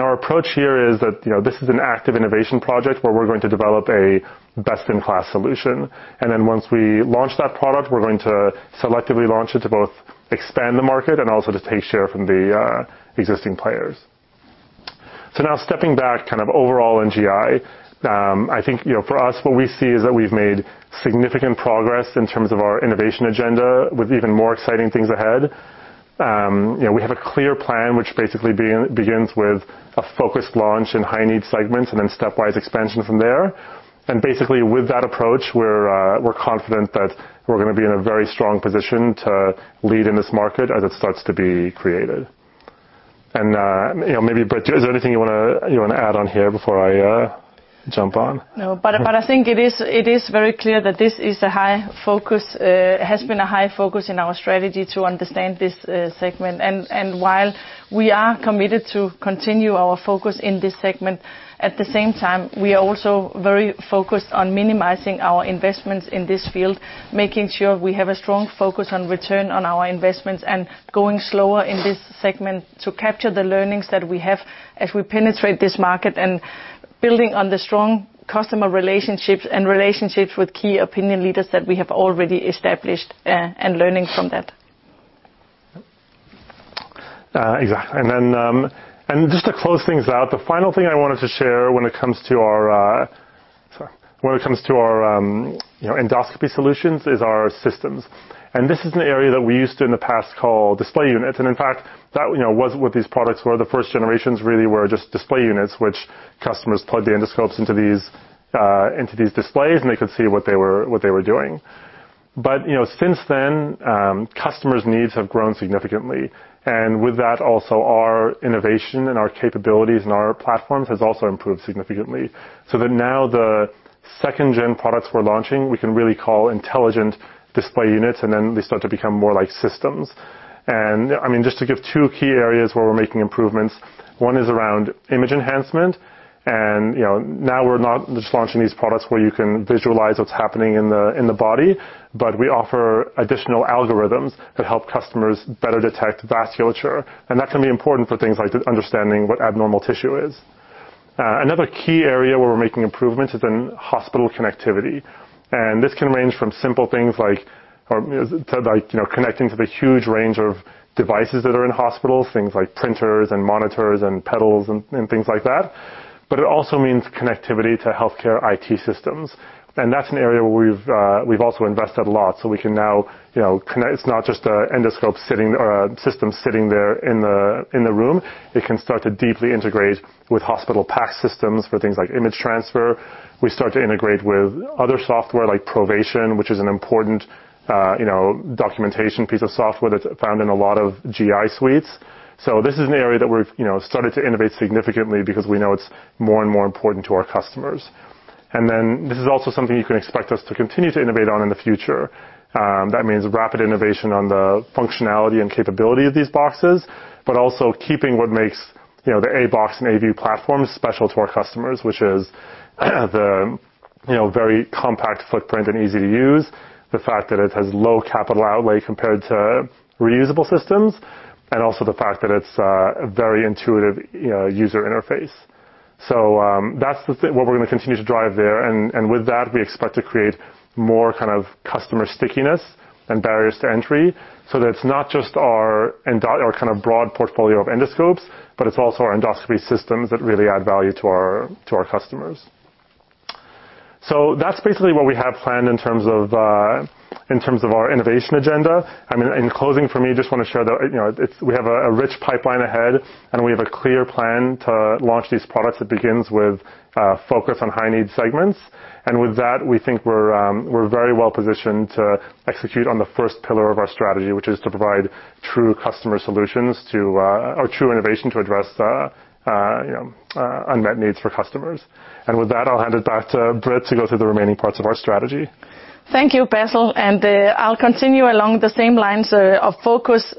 Our approach here is that, you know, this is an active innovation project where we're going to develop a best-in-class solution. Once we launch that product, we're going to selectively launch it to both expand the market and also to take share from the existing players. Now stepping back kind of overall in GI, I think, you know, for us, what we see is that we've made significant progress in terms of our innovation agenda with even more exciting things ahead. You know, we have a clear plan which basically begins with a focused launch in high-need segments and then stepwise expansion from there. Basically, with that approach, we're confident that we're gonna be in a very strong position to lead in this market as it starts to be created. You know, maybe, Britt, is there anything you wanna add on here before I jump on? No. But I think it is very clear that this has been a high focus in our strategy to understand this segment. While we are committed to continue our focus in this segment, at the same time, we are also very focused on minimizing our investments in this field, making sure we have a strong focus on return on our investments and going slower in this segment to capture the learnings that we have as we penetrate this market and building on the strong customer relationships and relationships with key opinion leaders that we have already established, and learning from that. Exactly. Just to close things out, the final thing I wanted to share when it comes to our, you know, Endoscopy Solutions is our systems. This is an area that we used in the past called display units. In fact, that, you know, was what these products were. The first generations really were just display units, which customers plugged the endoscopes into these displays, and they could see what they were doing. You know, since then, customers' needs have grown significantly and with that also our innovation and our capabilities and our platforms has also improved significantly, so that now the second-gen products we're launching, we can really call intelligent display units, and then they start to become more like systems. I mean, just to give two key areas where we're making improvements, one is around image enhancement, and, you know, now we're not just launching these products where you can visualize what's happening in the body, but we offer additional algorithms that help customers better detect vasculature, and that can be important for things like understanding what abnormal tissue is. Another key area where we're making improvements is in hospital connectivity. This can range from simple things like or to like, you know, connecting to the huge range of devices that are in hospitals, things like printers and monitors and pedals and things like that. It also means connectivity to healthcare IT systems. That's an area where we've also invested a lot, so we can now, you know, it's not just an endoscope sitting or a system sitting there in the room. It can start to deeply integrate with hospital PACS for things like image transfer. We start to integrate with other software like Provation, which is an important, you know, documentation piece of software that's found in a lot of GI suites. This is an area that we've, you know, started to innovate significantly because we know it's more and more important to our customers. This is also something you can expect us to continue to innovate on in the future. That means rapid innovation on the functionality and capability of these boxes, but also keeping what makes, you know, the aBox and aView platform special to our customers, which is the, you know, very compact footprint and easy to use, the fact that it has low capital outlay compared to reusable systems, and also the fact that it's a very intuitive, you know, user interface. That's what we're gonna continue to drive there, and with that, we expect to create more kind of customer stickiness and barriers to entry so that it's not just our or kind of broad portfolio of endoscopes, but it's also our endoscopy systems that really add value to our customers. That's basically what we have planned in terms of our innovation agenda. I mean, in closing for me, just wanna share that, you know, we have a rich pipeline ahead, and we have a clear plan to launch these products. It begins with focus on high-need segments, and with that, we think we're very well positioned to execute on the first pillar of our strategy, which is to provide true customer solutions or true innovation to address you know unmet needs for customers. With that, I'll hand it back to Britt to go through the remaining parts of our strategy. Thank you, Bassel. I'll continue along the same lines of focus,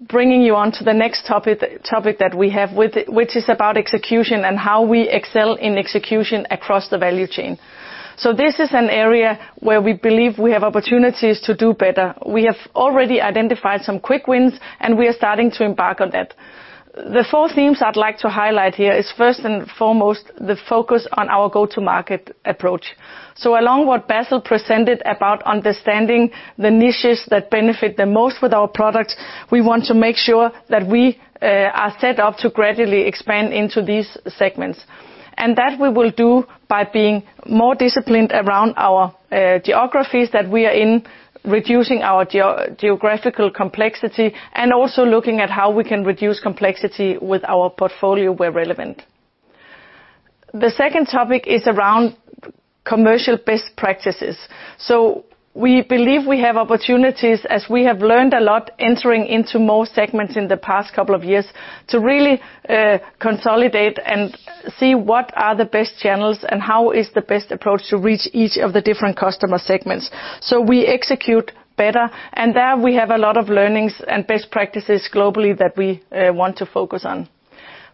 bringing you on to the next topic that we have with it, which is about execution and how we excel in execution across the value chain. This is an area where we believe we have opportunities to do better. We have already identified some quick wins, and we are starting to embark on that. The four themes I'd like to highlight here is first and foremost the focus on our go-to-market approach. Along what Bassel presented about understanding the niches that benefit the most with our products, we want to make sure that we are set up to gradually expand into these segments. That we will do by being more disciplined around our geographies that we are in, reducing our geographical complexity, and also looking at how we can reduce complexity with our portfolio where relevant. The second topic is around commercial best practices. We believe we have opportunities, as we have learned a lot entering into more segments in the past couple of years, to really consolidate and see what are the best channels and how is the best approach to reach each of the different customer segments so we execute better. There we have a lot of learnings and best practices globally that we want to focus on.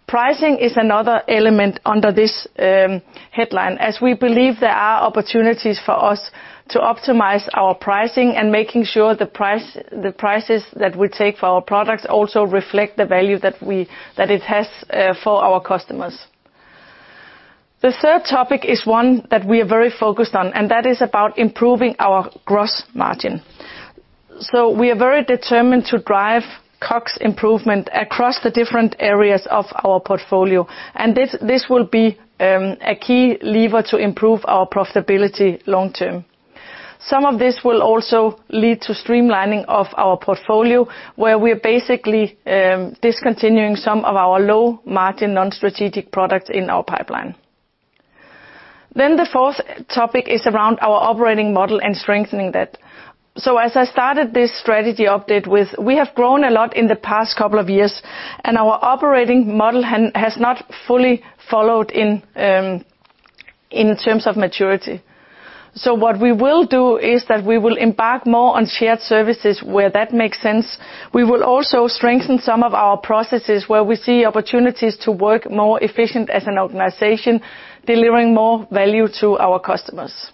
Pricing is another element under this headline, as we believe there are opportunities for us to optimize our pricing and making sure the prices that we take for our products also reflect the value that it has for our customers. The third topic is one that we are very focused on, and that is about improving our gross margin. We are very determined to drive costs improvement across the different areas of our portfolio, and this will be a key lever to improve our profitability long term. Some of this will also lead to streamlining of our portfolio, where we're basically discontinuing some of our low-margin non-strategic products in our pipeline. The fourth topic is around our operating model and strengthening that. As I started this strategy update with, we have grown a lot in the past couple of years, and our operating model has not fully followed in terms of maturity. What we will do is that we will embark more on shared services where that makes sense. We will also strengthen some of our processes where we see opportunities to work more efficient as an organization, delivering more value to our customers.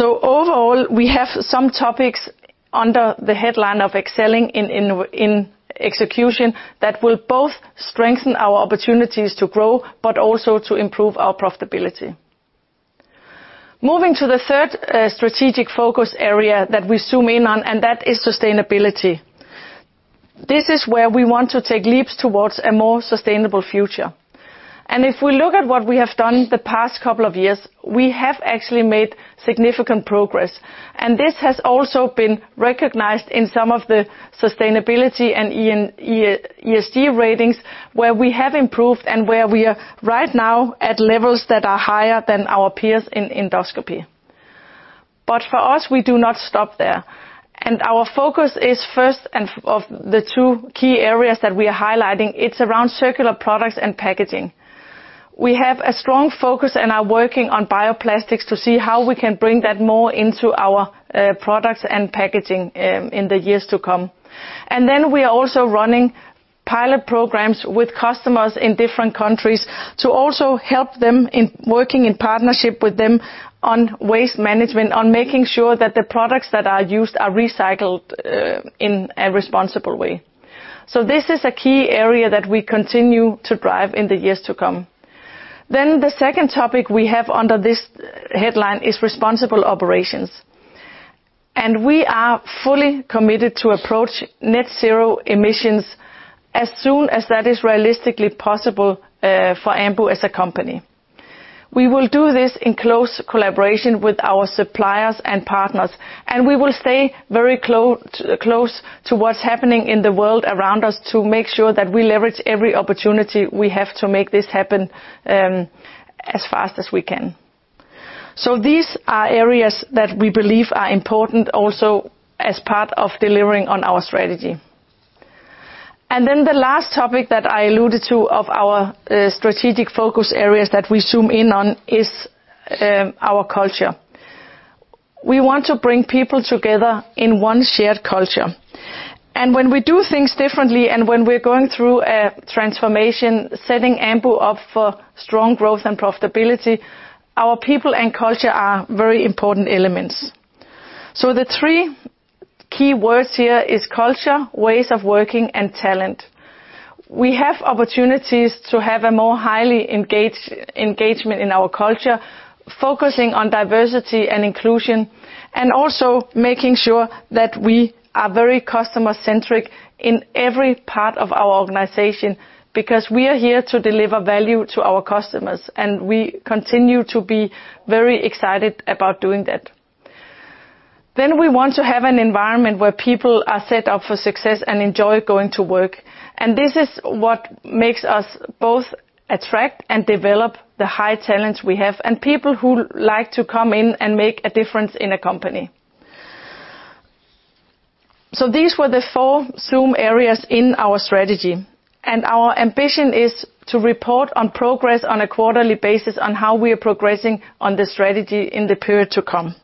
Overall, we have some topics under the headline of excelling in execution that will both strengthen our opportunities to grow, but also to improve our profitability. Moving to the third strategic focus area that we zoom in on, and that is sustainability. This is where we want to take leaps towards a more sustainable future. If we look at what we have done the past couple of years, we have actually made significant progress. This has also been recognized in some of the sustainability and ESG ratings, where we have improved and where we are right now at levels that are higher than our peers in endoscopy. For us, we do not stop there. Our focus is first and foremost of the two key areas that we are highlighting, it's around circular products and packaging. We have a strong focus and are working on bioplastics to see how we can bring that more into our products and packaging in the years to come. We are also running pilot programs with customers in different countries to also help them in working in partnership with them on waste management, on making sure that the products that are used are recycled, in a responsible way. This is a key area that we continue to drive in the years to come. The second topic we have under this headline is responsible operations, and we are fully committed to approach net zero emissions as soon as that is realistically possible, for Ambu as a company. We will do this in close collaboration with our suppliers and partners, and we will stay very close to what's happening in the world around us to make sure that we leverage every opportunity we have to make this happen, as fast as we can. These are areas that we believe are important also as part of delivering on our strategy. The last topic that I alluded to of our strategic focus areas that we zoom in on is our culture. We want to bring people together in one shared culture. When we do things differently, and when we're going through a transformation, setting Ambu up for strong growth and profitability, our people and culture are very important elements. The three keywords here is culture, ways of working, and talent. We have opportunities to have a more highly engaged, engagement in our culture, focusing on diversity and inclusion, and also making sure that we are very customer-centric in every part of our organization, because we are here to deliver value to our customers, and we continue to be very excited about doing that. We want to have an environment where people are set up for success and enjoy going to work, and this is what makes us both attract and develop the high talents we have and people who like to come in and make a difference in a company. These were the four zoom areas in our strategy, and our ambition is to report on progress on a quarterly basis on how we are progressing on the strategy in the period to come.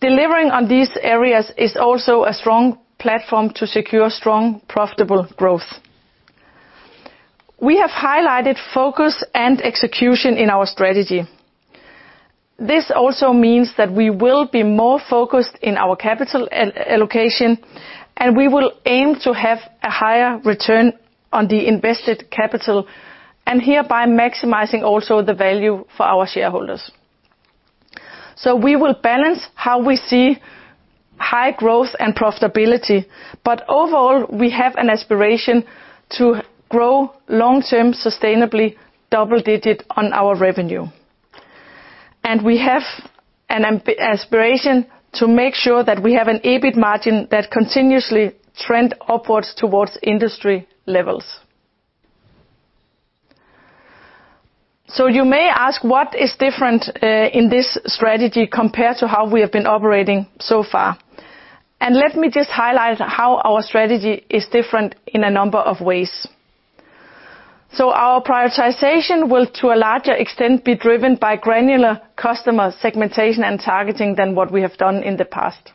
Delivering on these areas is also a strong platform to secure strong, profitable growth. We have highlighted focus and execution in our strategy. This also means that we will be more focused in our capital allocation, and we will aim to have a higher return on the invested capital, and hereby maximizing also the value for our shareholders. We will balance how we see high growth and profitability, but overall, we have an aspiration to grow long-term sustainably double digit on our revenue. We have an aspiration to make sure that we have an EBIT margin that continuously trend upwards towards industry levels. You may ask what is different in this strategy compared to how we have been operating so far. Let me just highlight how our strategy is different in a number of ways. Our prioritization will, to a larger extent, be driven by granular customer segmentation and targeting than what we have done in the past.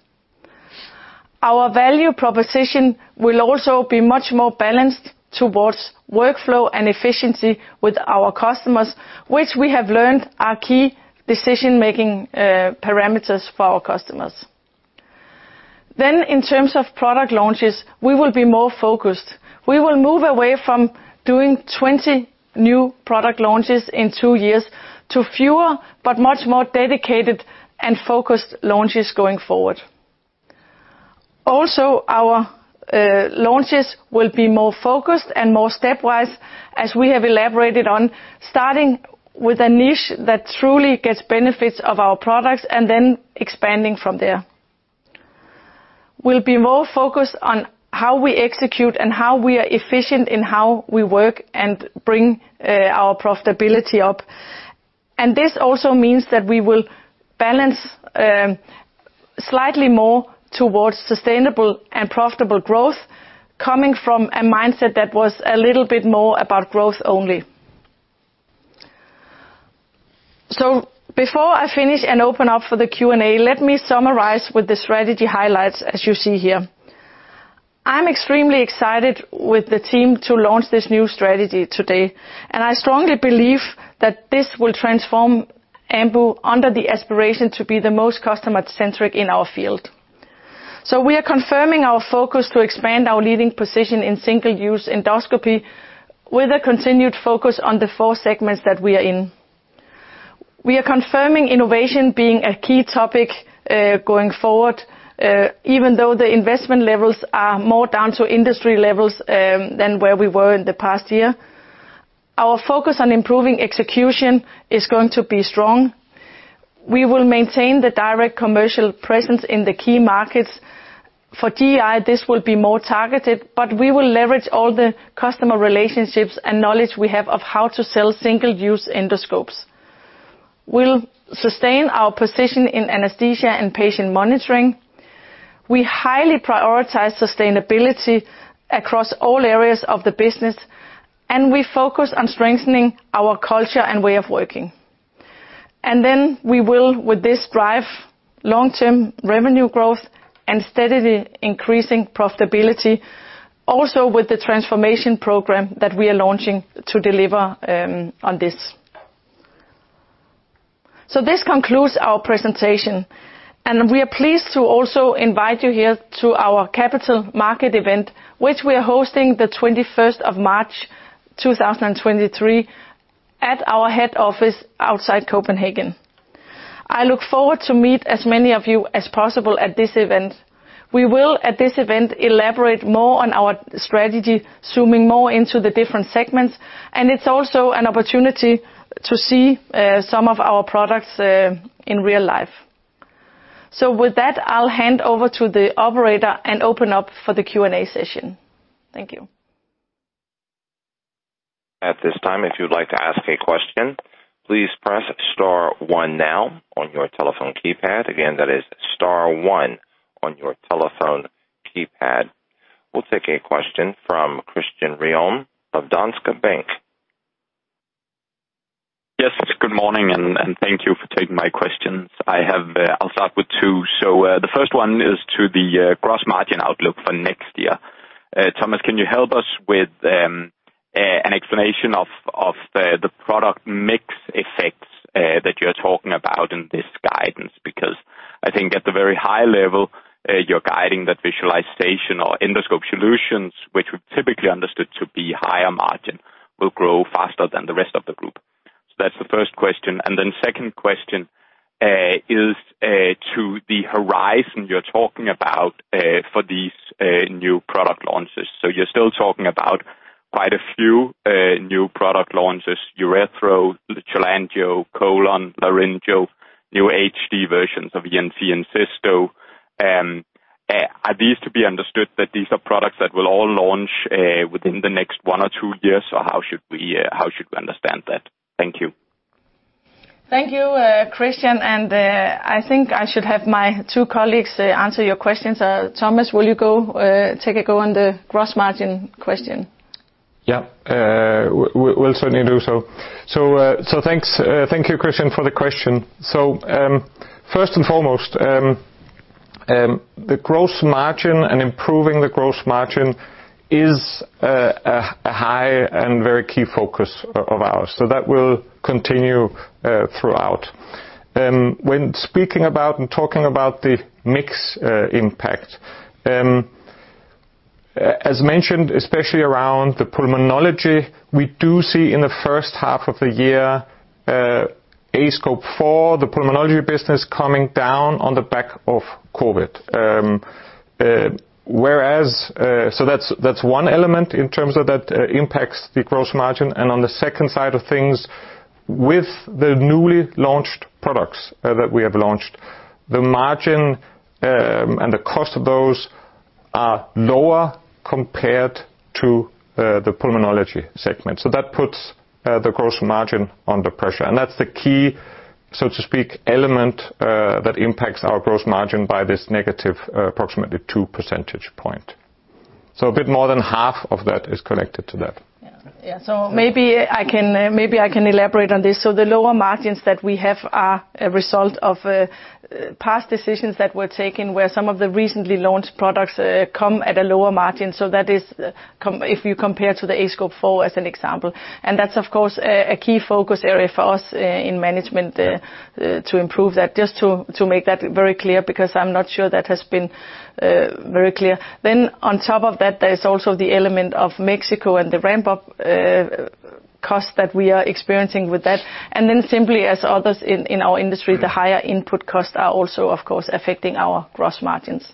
Our value proposition will also be much more balanced towards workflow and efficiency with our customers, which we have learned are key decision-making parameters for our customers. In terms of product launches, we will be more focused. We will move away from doing 20 new product launches in 2 years to fewer, but much more dedicated and focused launches going forward. Also, our launches will be more focused and more stepwise, as we have elaborated on, starting with a niche that truly gets benefits of our products and then expanding from there. We'll be more focused on how we execute and how we are efficient in how we work and bring our profitability up. This also means that we will balance slightly more towards sustainable and profitable growth coming from a mindset that was a little bit more about growth only. Before I finish and open up for the Q&A, let me summarize with the strategy highlights as you see here. I'm extremely excited with the team to launch this new strategy today, and I strongly believe that this will transform Ambu under the aspiration to be the most customer-centric in our field. We are confirming our focus to expand our leading position in single-use endoscopy with a continued focus on the four segments that we are in. We are confirming innovation being a key topic, going forward, even though the investment levels are more down to industry levels, than where we were in the past year. Our focus on improving execution is going to be strong. We will maintain the direct commercial presence in the key markets. For GI, this will be more targeted, but we will leverage all the customer relationships and knowledge we have of how to sell single-use endoscopes. We'll sustain our position in anesthesia and patient monitoring. We highly prioritize sustainability across all areas of the business, and we focus on strengthening our culture and way of working. We will, with this, drive long-term revenue growth and steadily increasing profitability also with the transformation program that we are launching to deliver on this. This concludes our presentation, and we are pleased to also invite you here to our capital market event, which we are hosting the 21st of March, 2023, at our head office outside Copenhagen. I look forward to meet as many of you as possible at this event. We will, at this event, elaborate more on our strategy, zooming more into the different segments, and it's also an opportunity to see some of our products in real life. With that, I'll hand over to the operator and open up for the Q&A session. Thank you. At this time, if you'd like to ask a question, please press star one now on your telephone keypad. Again, that is star one on your telephone keypad. We'll take a question from Christian Ryom of Danske Bank. Good morning, and thank you for taking my questions. I'll start with two. The first one is to the gross margin outlook for next year. Thomas, can you help us with an explanation of the product mix effects that you're talking about in this guidance? Because I think at the very high level, you're guiding that visualization or Endoscopy Solutions, which we've typically understood to be higher margin, will grow faster than the rest of the group. That's the first question. Second question is to the horizon you're talking about for these new product launches. You're still talking about quite a few new product launches, uretero, cholangioscope, colon, laryngeal, new HD versions of ENT and Cysto. Are these to be understood that these are products that will all launch within the next 1 or 2 years, or how should we understand that? Thank you. Thank you, Christian, and I think I should have my two colleagues answer your questions. Thomas, will you take a go on the gross margin question? Yeah. Will certainly do so. Thanks. Thank you, Christian, for the question. First and foremost, the gross margin and improving the gross margin is a high and very key focus of ours, so that will continue throughout. When speaking about and talking about the mix impact, as mentioned, especially around the pulmonology, we do see in the first half of the year, aScope 4, the pulmonology business coming down on the back of COVID. Whereas that's one element in terms of that impacts the gross margin. On the second side of things, with the newly launched products that we have launched, the margin and the cost of those are lower compared to the pulmonology segment. That puts the gross margin under pressure. That's the key, so to speak, element that impacts our gross margin by this negative approximately 2 percentage points. A bit more than half of that is connected to that. Yeah. Maybe I can elaborate on this. The lower margins that we have are a result of past decisions that were taken, where some of the recently launched products come at a lower margin. That is if you compare to the aScope 4 as an example. That's, of course, a key focus area for us in management to improve that. Just to make that very clear, because I'm not sure that has been very clear. On top of that, there's also the element of Mexico and the ramp up cost that we are experiencing with that. Simply, as others in our industry, the higher input costs are also, of course, affecting our gross margins.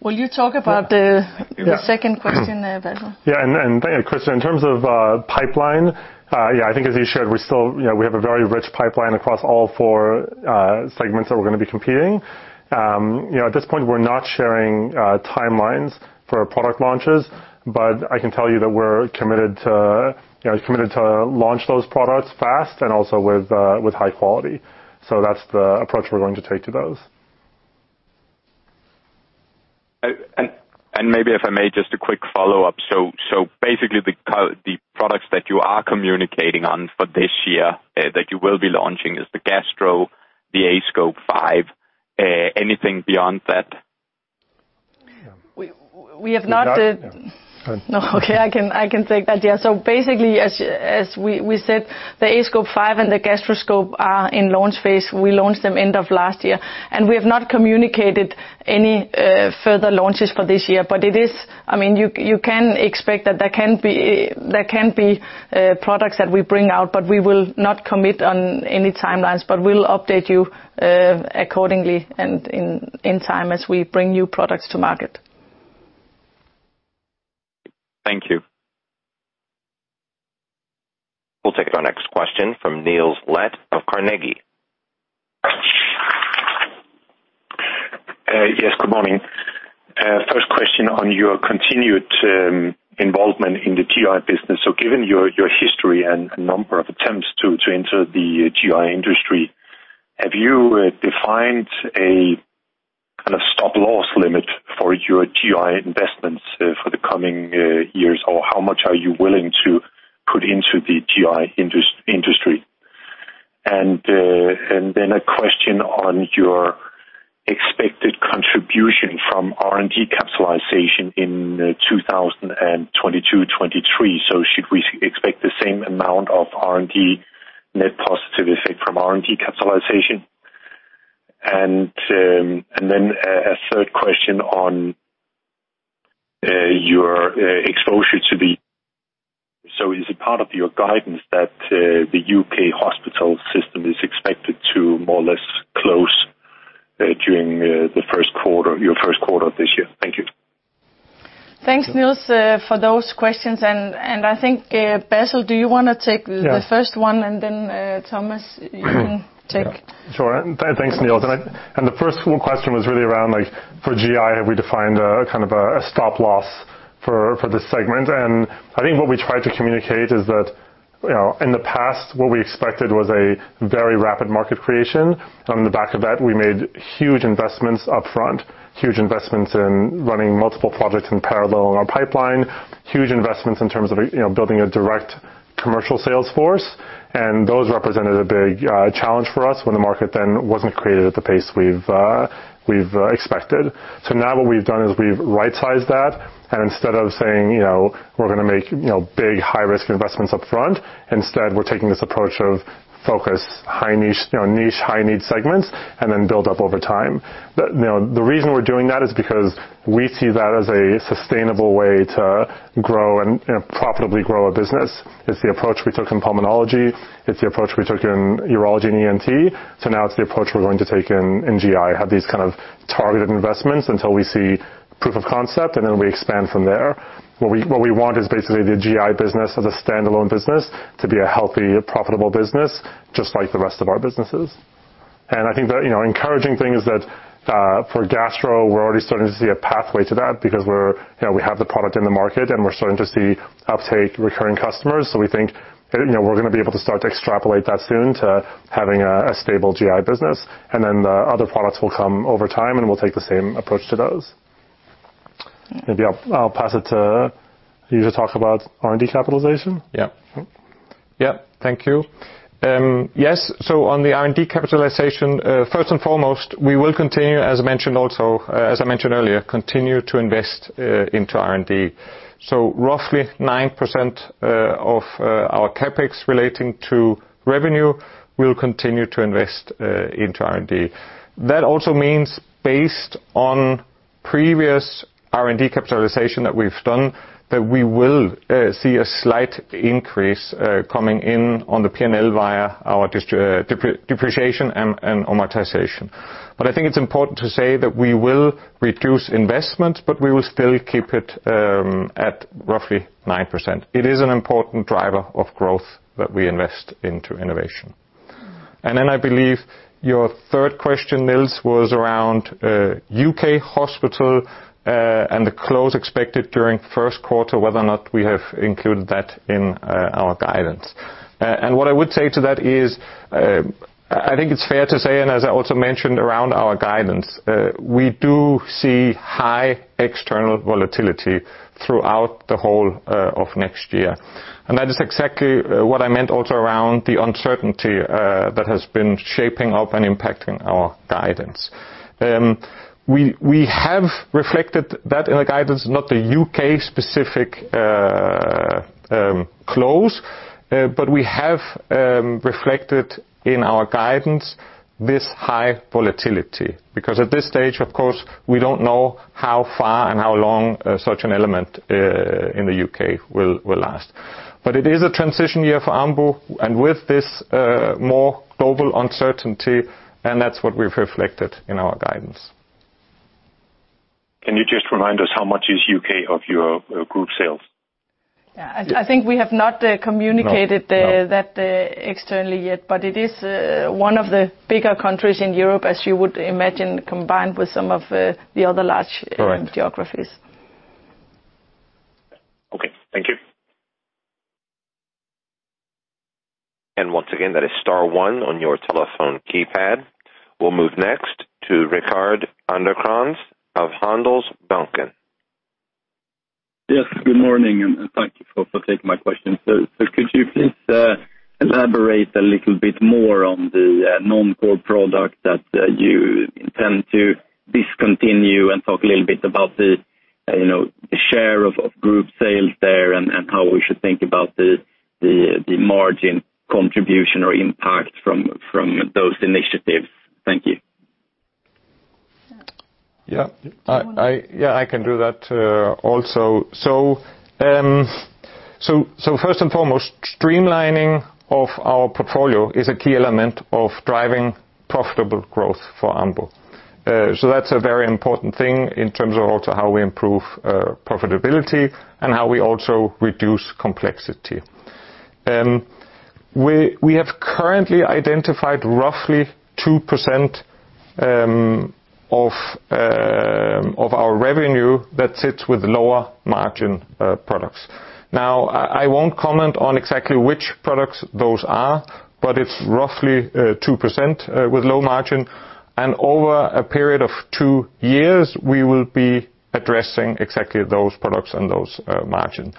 Will you talk about the- Yeah. The second question there, Bassel? Christian, in terms of pipeline, I think as you shared, we're still, you know, we have a very rich pipeline across all four segments that we're gonna be competing. You know, at this point, we're not sharing timelines for product launches, but I can tell you that we're committed to, you know, launch those products fast and also with high quality. That's the approach we're going to take to those. Maybe if I may, just a quick follow-up. Basically, the products that you are communicating on for this year that you will be launching is the gastroscope, the aScope 5. Anything beyond that? We have not. Not- No. Okay, I can take that. Yeah. Basically, as we said, the aScope 5 and the gastroscope are in launch phase. We launched them end of last year, and we have not communicated any further launches for this year. But it is, I mean, you can expect that there can be products that we bring out, but we will not commit on any timelines. But we'll update you accordingly and in time as we bring new products to market. Thank you. We'll take our next question from Niels Granholm-Leth of Carnegie. Yes, good morning. First question on your continued involvement in the GI business. Given your history and number of attempts to enter the GI industry, have you defined a kind of stop loss limit for your GI investments for the coming years? Or how much are you willing to put into the GI industry? Then a question on your expected contribution from R&D capitalization in 2022, 2023. Should we expect the same amount of R&D net positive effect from R&D capitalization? Then a third question on your exposure to the UK hospital system. Is it part of your guidance that the UK hospital system is expected to more or less close during the first quarter, your first quarter of this year? Thank you. Thanks, Niels, for those questions. I think, Bassel, do you wanna take the first one. Yeah. Thomas, you can take. Sure. Thanks, Nils Granholm-Leth. The first full question was really around, like for GI, have we defined a kind of a stop loss for this segment? I think what we tried to communicate is that, you know, in the past what we expected was a very rapid market creation. On the back of that, we made huge investments upfront. Huge investments in running multiple projects in parallel in our pipeline. Huge investments in terms of, you know, building a direct commercial sales force. Those represented a big challenge for us when the market then wasn't created at the pace we've expected. Now what we've done is we've right-sized that and instead of saying, you know, we're gonna make, you know, big high-risk investments upfront, instead, we're taking this approach of focus, high niche, you know, niche high-need segments and then build up over time. You know, the reason we're doing that is because we see that as a sustainable way to grow and, you know, profitably grow a business. It's the approach we took in pulmonology, it's the approach we took in urology and ENT. Now it's the approach we're going to take in GI. Have these kind of targeted investments until we see proof of concept, and then we expand from there. What we want is basically the GI business as a standalone business to be a healthy, profitable business, just like the rest of our businesses. I think the, you know, encouraging thing is that for gastro, we're already starting to see a pathway to that because we're, you know, we have the product in the market, and we're starting to see uptake, recurring customers. We think, you know, we're gonna be able to start to extrapolate that soon to having a stable GI business. The other products will come over time, and we'll take the same approach to those. Maybe I'll pass it to you to talk about R&D capitalization. Yeah. Yeah. Thank you. Yes. On the R&D capitalization, first and foremost, we will continue, as mentioned also, as I mentioned earlier, continue to invest into R&D. Roughly 9% of our CapEx relating to revenue will continue to invest into R&D. That also means based on previous R&D capitalization that we've done, that we will see a slight increase coming in on the P&L via our depreciation and amortization. I think it's important to say that we will reduce investment, but we will still keep it at roughly 9%. It is an important driver of growth that we invest into innovation. I believe your third question, Nils, was around UK hospital and the close expected during first quarter, whether or not we have included that in our guidance. What I would say to that is, I think it's fair to say as I also mentioned around our guidance, we do see high external volatility throughout the whole of next year. That is exactly what I meant also around the uncertainty that has been shaping up and impacting our guidance. We have reflected that in the guidance, not the UK specific close. We have reflected in our guidance this high volatility, because at this stage, of course, we don't know how far and how long such an element in the UK will last. It is a transition year for Ambu and with this more global uncertainty, and that's what we've reflected in our guidance. Can you just remind us how much is UK of your group sales? Yeah. I think we have not communicated the No. That externally yet, but it is one of the bigger countries in Europe, as you would imagine, combined with some of the other large- Correct. Geographies. Okay. Thank you. Once again, that is star one on your telephone keypad. We'll move next to Rickard Anderkrans of Handelsbanken. Yes. Good morning, and thank you for taking my question. Could you please elaborate a little bit more on the non-core product that you intend to discontinue and talk a little bit about the you know the share of group sales there and how we should think about the margin contribution or impact from those initiatives? Thank you. I can do that, also. First and foremost, streamlining of our portfolio is a key element of driving profitable growth for Ambu. That's a very important thing in terms of also how we improve profitability and how we also reduce complexity. We have currently identified roughly 2% of our revenue that sits with lower margin products. I won't comment on exactly which products those are, but it's roughly 2% with low margin. Over a period of two years, we will be addressing exactly those products and those margin.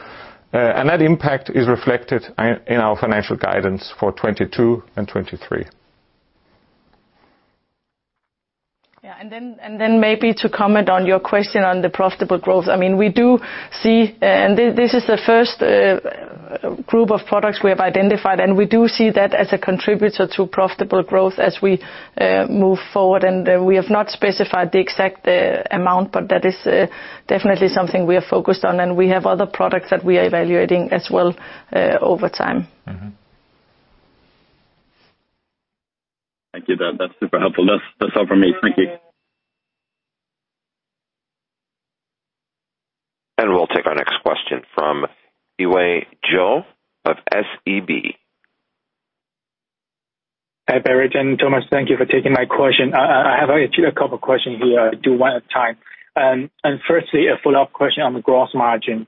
That impact is reflected in our financial guidance for 2022 and 2023. Yeah. Maybe to comment on your question on the profitable growth. I mean, we do see, and this is the first group of products we have identified, and we do see that as a contributor to profitable growth as we move forward. We have not specified the exact amount, but that is definitely something we are focused on. We have other products that we are evaluating as well over time. Mm-hmm. Thank you. That's super helpful. That's all for me. Thank you. We'll take our next question from Yiwei Zhou of SEB. Hi, Britt and Thomas. Thank you for taking my question. I have actually a couple question here. I'll do one at a time. Firstly, a follow-up question on the gross margin.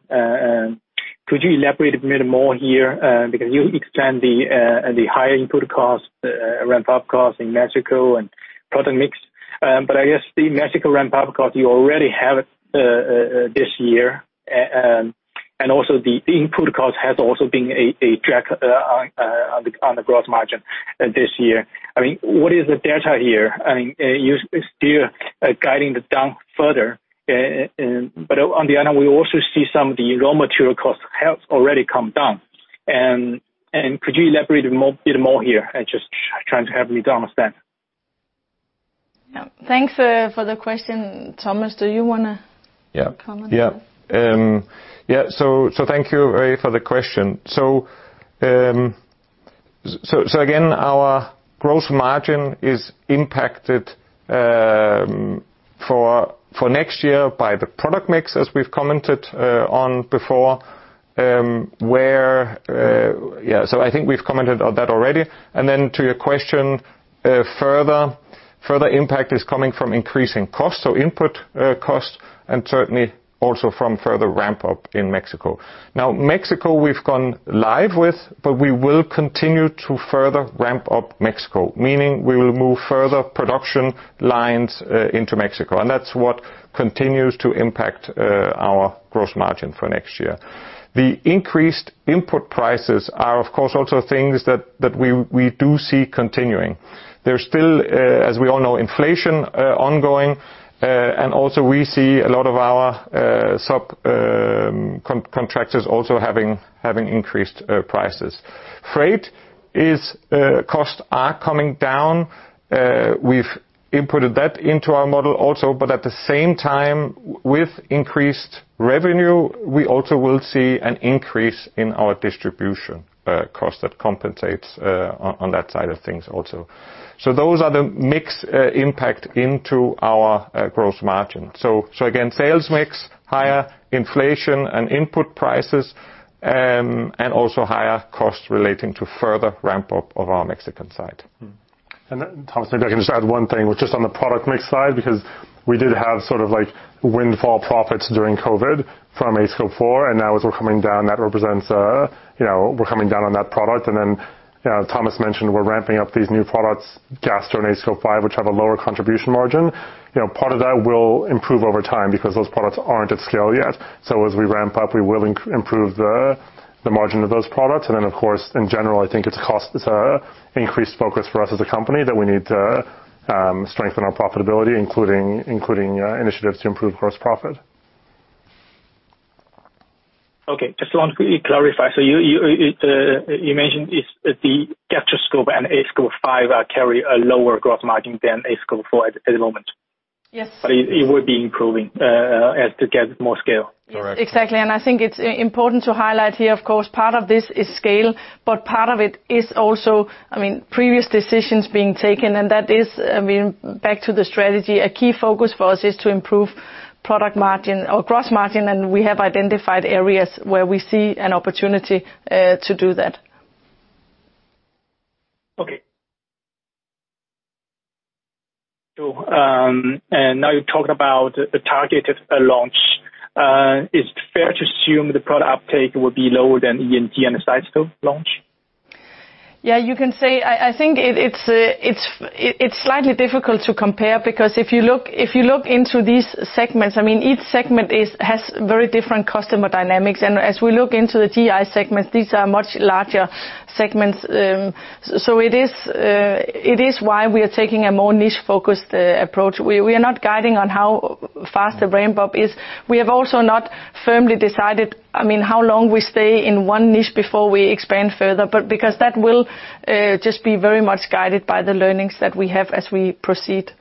Could you elaborate a bit more here, because you explained the higher input costs, ramp-up costs in Mexico and product mix. I guess the Mexico ramp-up cost you already have this year. Also the input cost has also been a drag on the gross margin this year. I mean, what is the delta here? I mean, you're still guiding it down further. On the other, we also see some of the raw material costs have already come down. Could you elaborate more, a bit more here? I'm just trying to help me to understand. Yeah. Thanks for the question. Thomas, do you wanna- Yeah. -comment? Thank you, Yiwei, for the question. Again, our gross margin is impacted for next year by the product mix, as we've commented on before. I think we've commented on that already. To your question, further impact is coming from increasing costs, so input costs, and certainly also from further ramp-up in Mexico. Mexico we've gone live with, but we will continue to further ramp up Mexico, meaning we will move further production lines into Mexico. That's what continues to impact our gross margin for next year. The increased input prices are, of course, also things that we do see continuing. There's still, as we all know, inflation ongoing, and also we see a lot of our subcontractors also having increased prices. Freight costs are coming down. We've inputted that into our model also. At the same time, with increased revenue, we also will see an increase in our distribution cost that compensates on that side of things also. Those are the mix impact into our gross margin. Again, sales mix, higher inflation and input prices, and also higher costs relating to further ramp-up of our Mexican side. Thomas, maybe I can just add one thing, which is on the product mix side, because we did have sort of like windfall profits during COVID from aScope 4. Now as we're coming down, that represents, you know, we're coming down on that product. Thomas mentioned we're ramping up these new products, Gastro and aScope 5, which have a lower contribution margin. You know, part of that will improve over time because those products aren't at scale yet. As we ramp up, we will improve the margin of those products. Of course, in general, I think it's a cost, it's an increased focus for us as a company that we need to strengthen our profitability, including initiatives to improve gross profit. Okay. Just want to clarify. You mentioned the Gastroscope and aScope 5 carry a lower gross margin than aScope 4 at the moment? Yes. It would be improving as they get more scale? Correct. Exactly. I think it's important to highlight here, of course, part of this is scale, but part of it is also, I mean, previous decisions being taken, and that is, I mean, back to the strategy. A key focus for us is to improve product margin or gross margin, and we have identified areas where we see an opportunity to do that. Okay. Now you're talking about a targeted launch. Is it fair to assume the product uptake will be lower than ENT and Cystoscope launch? You can say I think it's slightly difficult to compare because if you look into these segments, I mean, each segment has very different customer dynamics. As we look into the GI segments, these are much larger segments. It is why we are taking a more niche-focused approach. We are not guiding on how fast the ramp-up is. We have also not firmly decided, I mean, how long we stay in one niche before we expand further, but because that will just be very much guided by the learnings that we have as we proceed.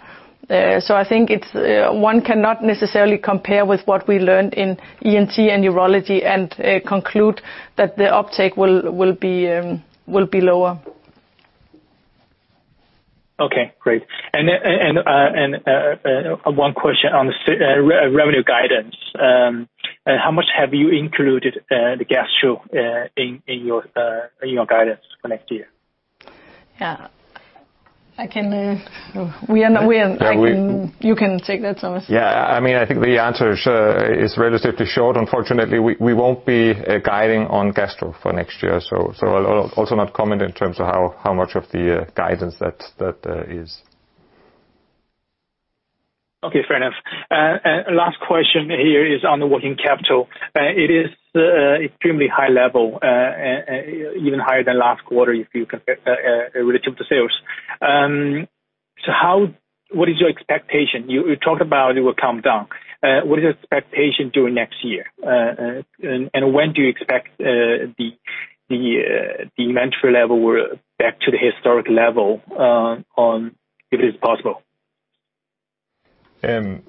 I think it's one cannot necessarily compare with what we learned in ENT and urology and conclude that the uptake will be lower. Okay, great. One question on the revenue guidance. How much have you included the gastro in your guidance for next year? Yeah. I can. We are Yeah, You can take that, Thomas. Yeah. I mean, I think the answer is relatively short. Unfortunately, we won't be guiding on gastro for next year, so I'll also not comment in terms of how much of the guidance that is. Okay, fair enough. Last question here is on the working capital. It is extremely high level, even higher than last quarter if you compare relative to sales. So what is your expectation? You talked about it will come down. What is your expectation during next year? And when do you expect the inventory level we're back to the historic level, or if it is possible? Again,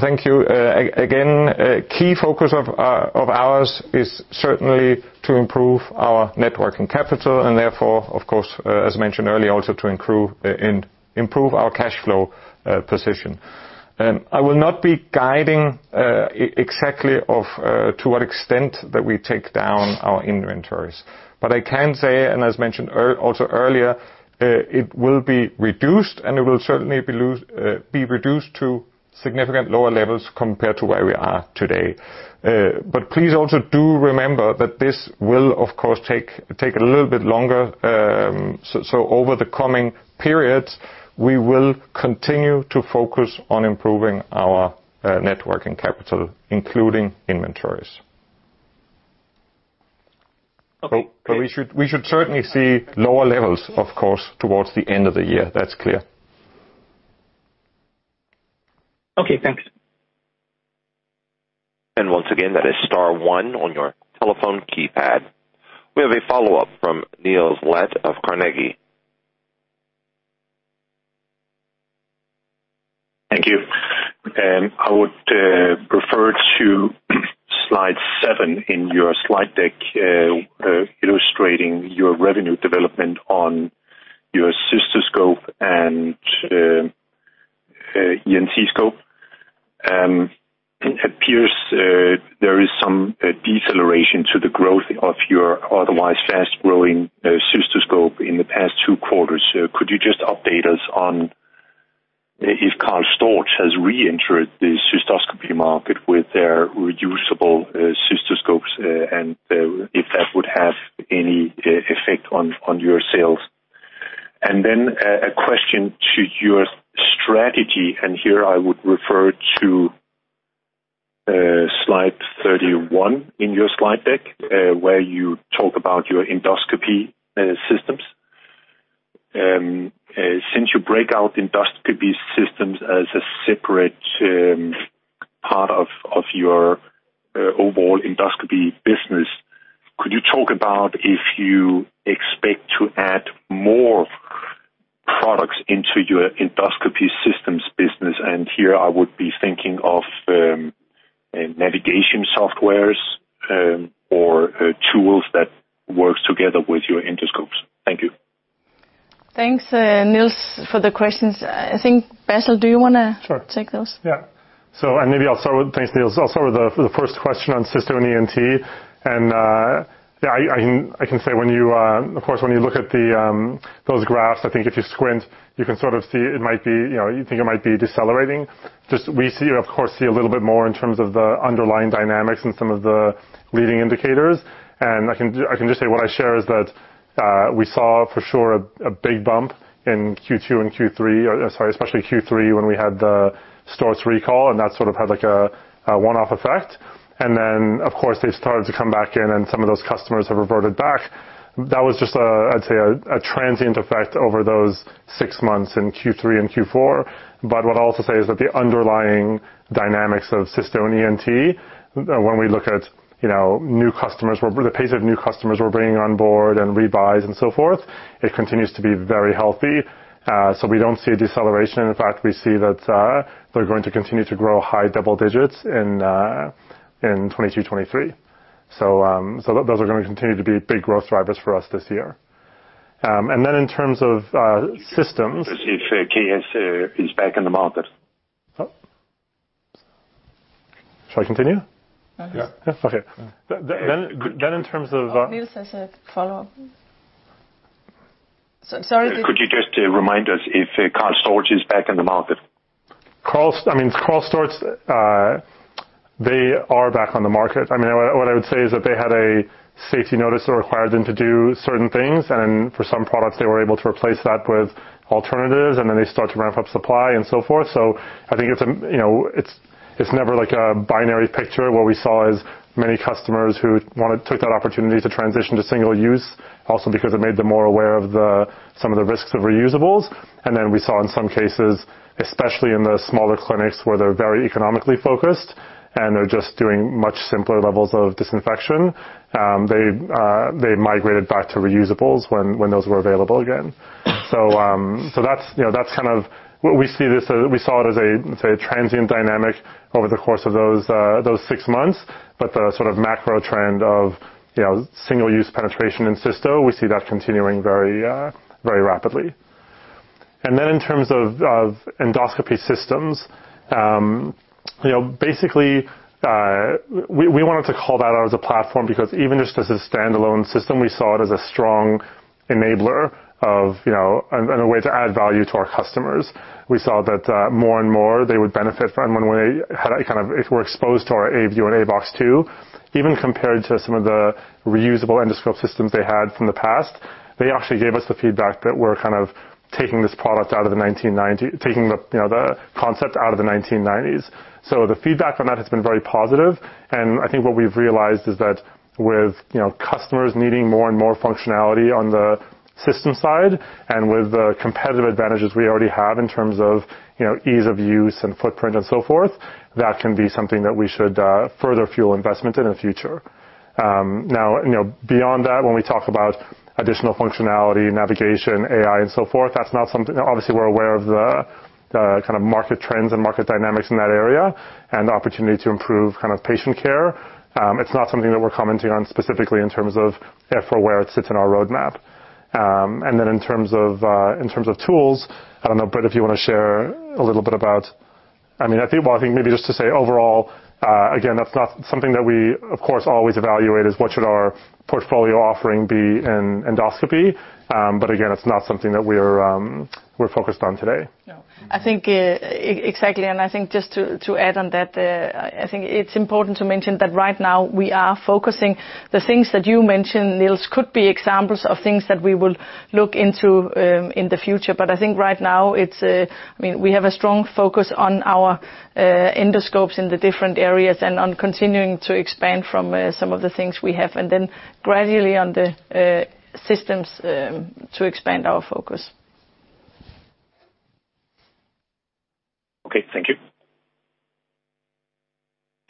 thank you. A key focus of ours is certainly to improve our net working capital, and therefore, of course, as mentioned earlier, also to improve our cash flow position. I will not be guiding exactly to what extent that we take down our inventories. I can say, and as mentioned earlier, it will be reduced, and it will certainly be reduced to significantly lower levels compared to where we are today. Please also do remember that this will of course take a little bit longer. Over the coming periods, we will continue to focus on improving our net working capital, including inventories. Okay. We should certainly see lower levels, of course, towards the end of the year. That's clear. Okay, thanks. Once again, that is star one on your telephone keypad. We have a follow-up from Niels Granholm-Leth of Carnegie. Thank you. I would refer to slide 7 in your slide deck, illustrating your revenue development on your cystoscope and ENT scope. It appears there is some deceleration to the growth of your otherwise fast-growing cystoscope in the past 2 quarters. Could you just update us on if KARL STORZ has reentered the cystoscopy market with their reusable cystoscopes, and if that would have any effect on your sales? Then a question on your strategy, and here I would refer to slide 31 in your slide deck, where you talk about your endoscopy systems. Since you break out endoscopy systems as a separate part of your overall endoscopy business, could you talk about if you expect to add more products into your endoscopy systems business? Here I would be thinking of navigation softwares or tools that works together with your endoscopes. Thank you. Thanks, Niels, for the questions. I think, Bassel, do you wanna- Sure. Take those? Maybe I'll start with thanks, Niels. I'll start with the first question on Cysto and ENT. I can say when you look at those graphs, I think if you squint, you can sort of see it might be, you know, you think it might be decelerating. We see, of course, a little bit more in terms of the underlying dynamics and some of the leading indicators. I can just say what I share is that we saw for sure a big bump in Q2 and Q3, or sorry, especially Q3, when we had the KARL STORZ recall, and that sort of had like a one-off effect. Then, of course, they started to come back in and some of those customers have reverted back. That was just a, I'd say, a transient effect over those six months in Q3 and Q4. What I'll also say is that the underlying dynamics of Cysto and ENT, when we look at new customers, the pace of new customers we're bringing on board and rebuys and so forth, it continues to be very healthy. We don't see a deceleration. In fact, we see that they're going to continue to grow high double digits in 2022, 2023. Those are gonna continue to be big growth drivers for us this year. Then in terms of systems. If KARL STORZ is back in the market. Oh. Should I continue? Yeah. Okay. In terms of Niels has a follow-up. Could you just remind us if KARL STORZ is back in the market? KARL STORZ, they are back on the market. I mean, what I would say is that they had a safety notice that required them to do certain things, and for some products, they were able to replace that with alternatives, and then they start to ramp up supply and so forth. I think it's, you know, it's never, like, a binary picture. What we saw is many customers who took that opportunity to transition to single use also because it made them more aware of some of the risks of reusables. We saw in some cases, especially in the smaller clinics where they're very economically focused and they're just doing much simpler levels of disinfection, they migrated back to reusables when those were available again. That's, you know, that's kind of what we see this as. We saw it as a, say, a transient dynamic over the course of those six months, but the sort of macro trend of, you know, single-use penetration in Cysto, we see that continuing very rapidly. In terms of endoscopy systems, you know, basically, we wanted to call that out as a platform because even just as a standalone system, we saw it as a strong enabler of, you know, a way to add value to our customers. We saw that more and more they would benefit from when we had if we're exposed to our aView and aBox 2, even compared to some of the reusable endoscope systems they had from the past, they actually gave us the feedback that we're kind of taking the, you know, the concept out of the 1990s. The feedback from that has been very positive. I think what we've realized is that with, you know, customers needing more and more functionality on the system side and with the competitive advantages we already have in terms of, you know, ease of use and footprint and so forth, that can be something that we should further fuel investment in in the future. Now, you know, beyond that, when we talk about additional functionality, navigation, AI and so forth, that's not something. Obviously, we're aware of the kind of market trends and market dynamics in that area and the opportunity to improve kind of patient care. It's not something that we're commenting on specifically in terms of therefore where it sits in our roadmap. In terms of tools, I don't know, Britt, if you wanna share a little bit about. I mean, I think maybe just to say overall, again, that's not something that we, of course, always evaluate, is what should our portfolio offering be in endoscopy. Again, it's not something that we're focused on today. No. I think exactly, and I think just to add on that, I think it's important to mention that right now we are focusing on the things that you mentioned, Niels, could be examples of things that we will look into in the future. I think right now it's, I mean, we have a strong focus on our endoscopes in the different areas and on continuing to expand from some of the things we have and then gradually on the systems to expand our focus. Okay. Thank you.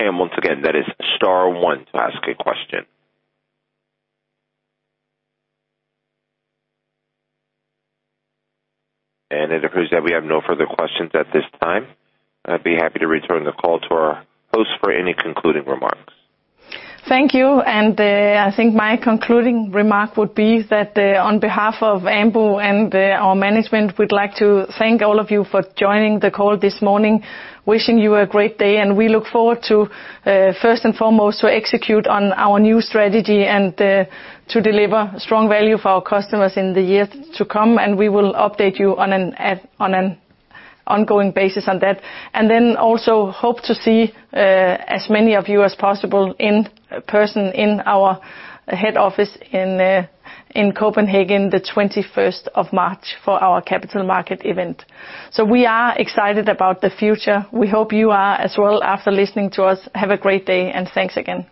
Once again, that is star one to ask a question. It appears that we have no further questions at this time. I'd be happy to return the call to our host for any concluding remarks. Thank you. I think my concluding remark would be that, on behalf of Ambu and our management, we'd like to thank all of you for joining the call this morning, wishing you a great day. We look forward to, first and foremost, to execute on our new strategy and to deliver strong value for our customers in the years to come, and we will update you on an ongoing basis on that. Then also hope to see as many of you as possible in person in our head office in Copenhagen, the twenty-first of March for our capital market event. We are excited about the future. We hope you are as well after listening to us. Have a great day, and thanks again.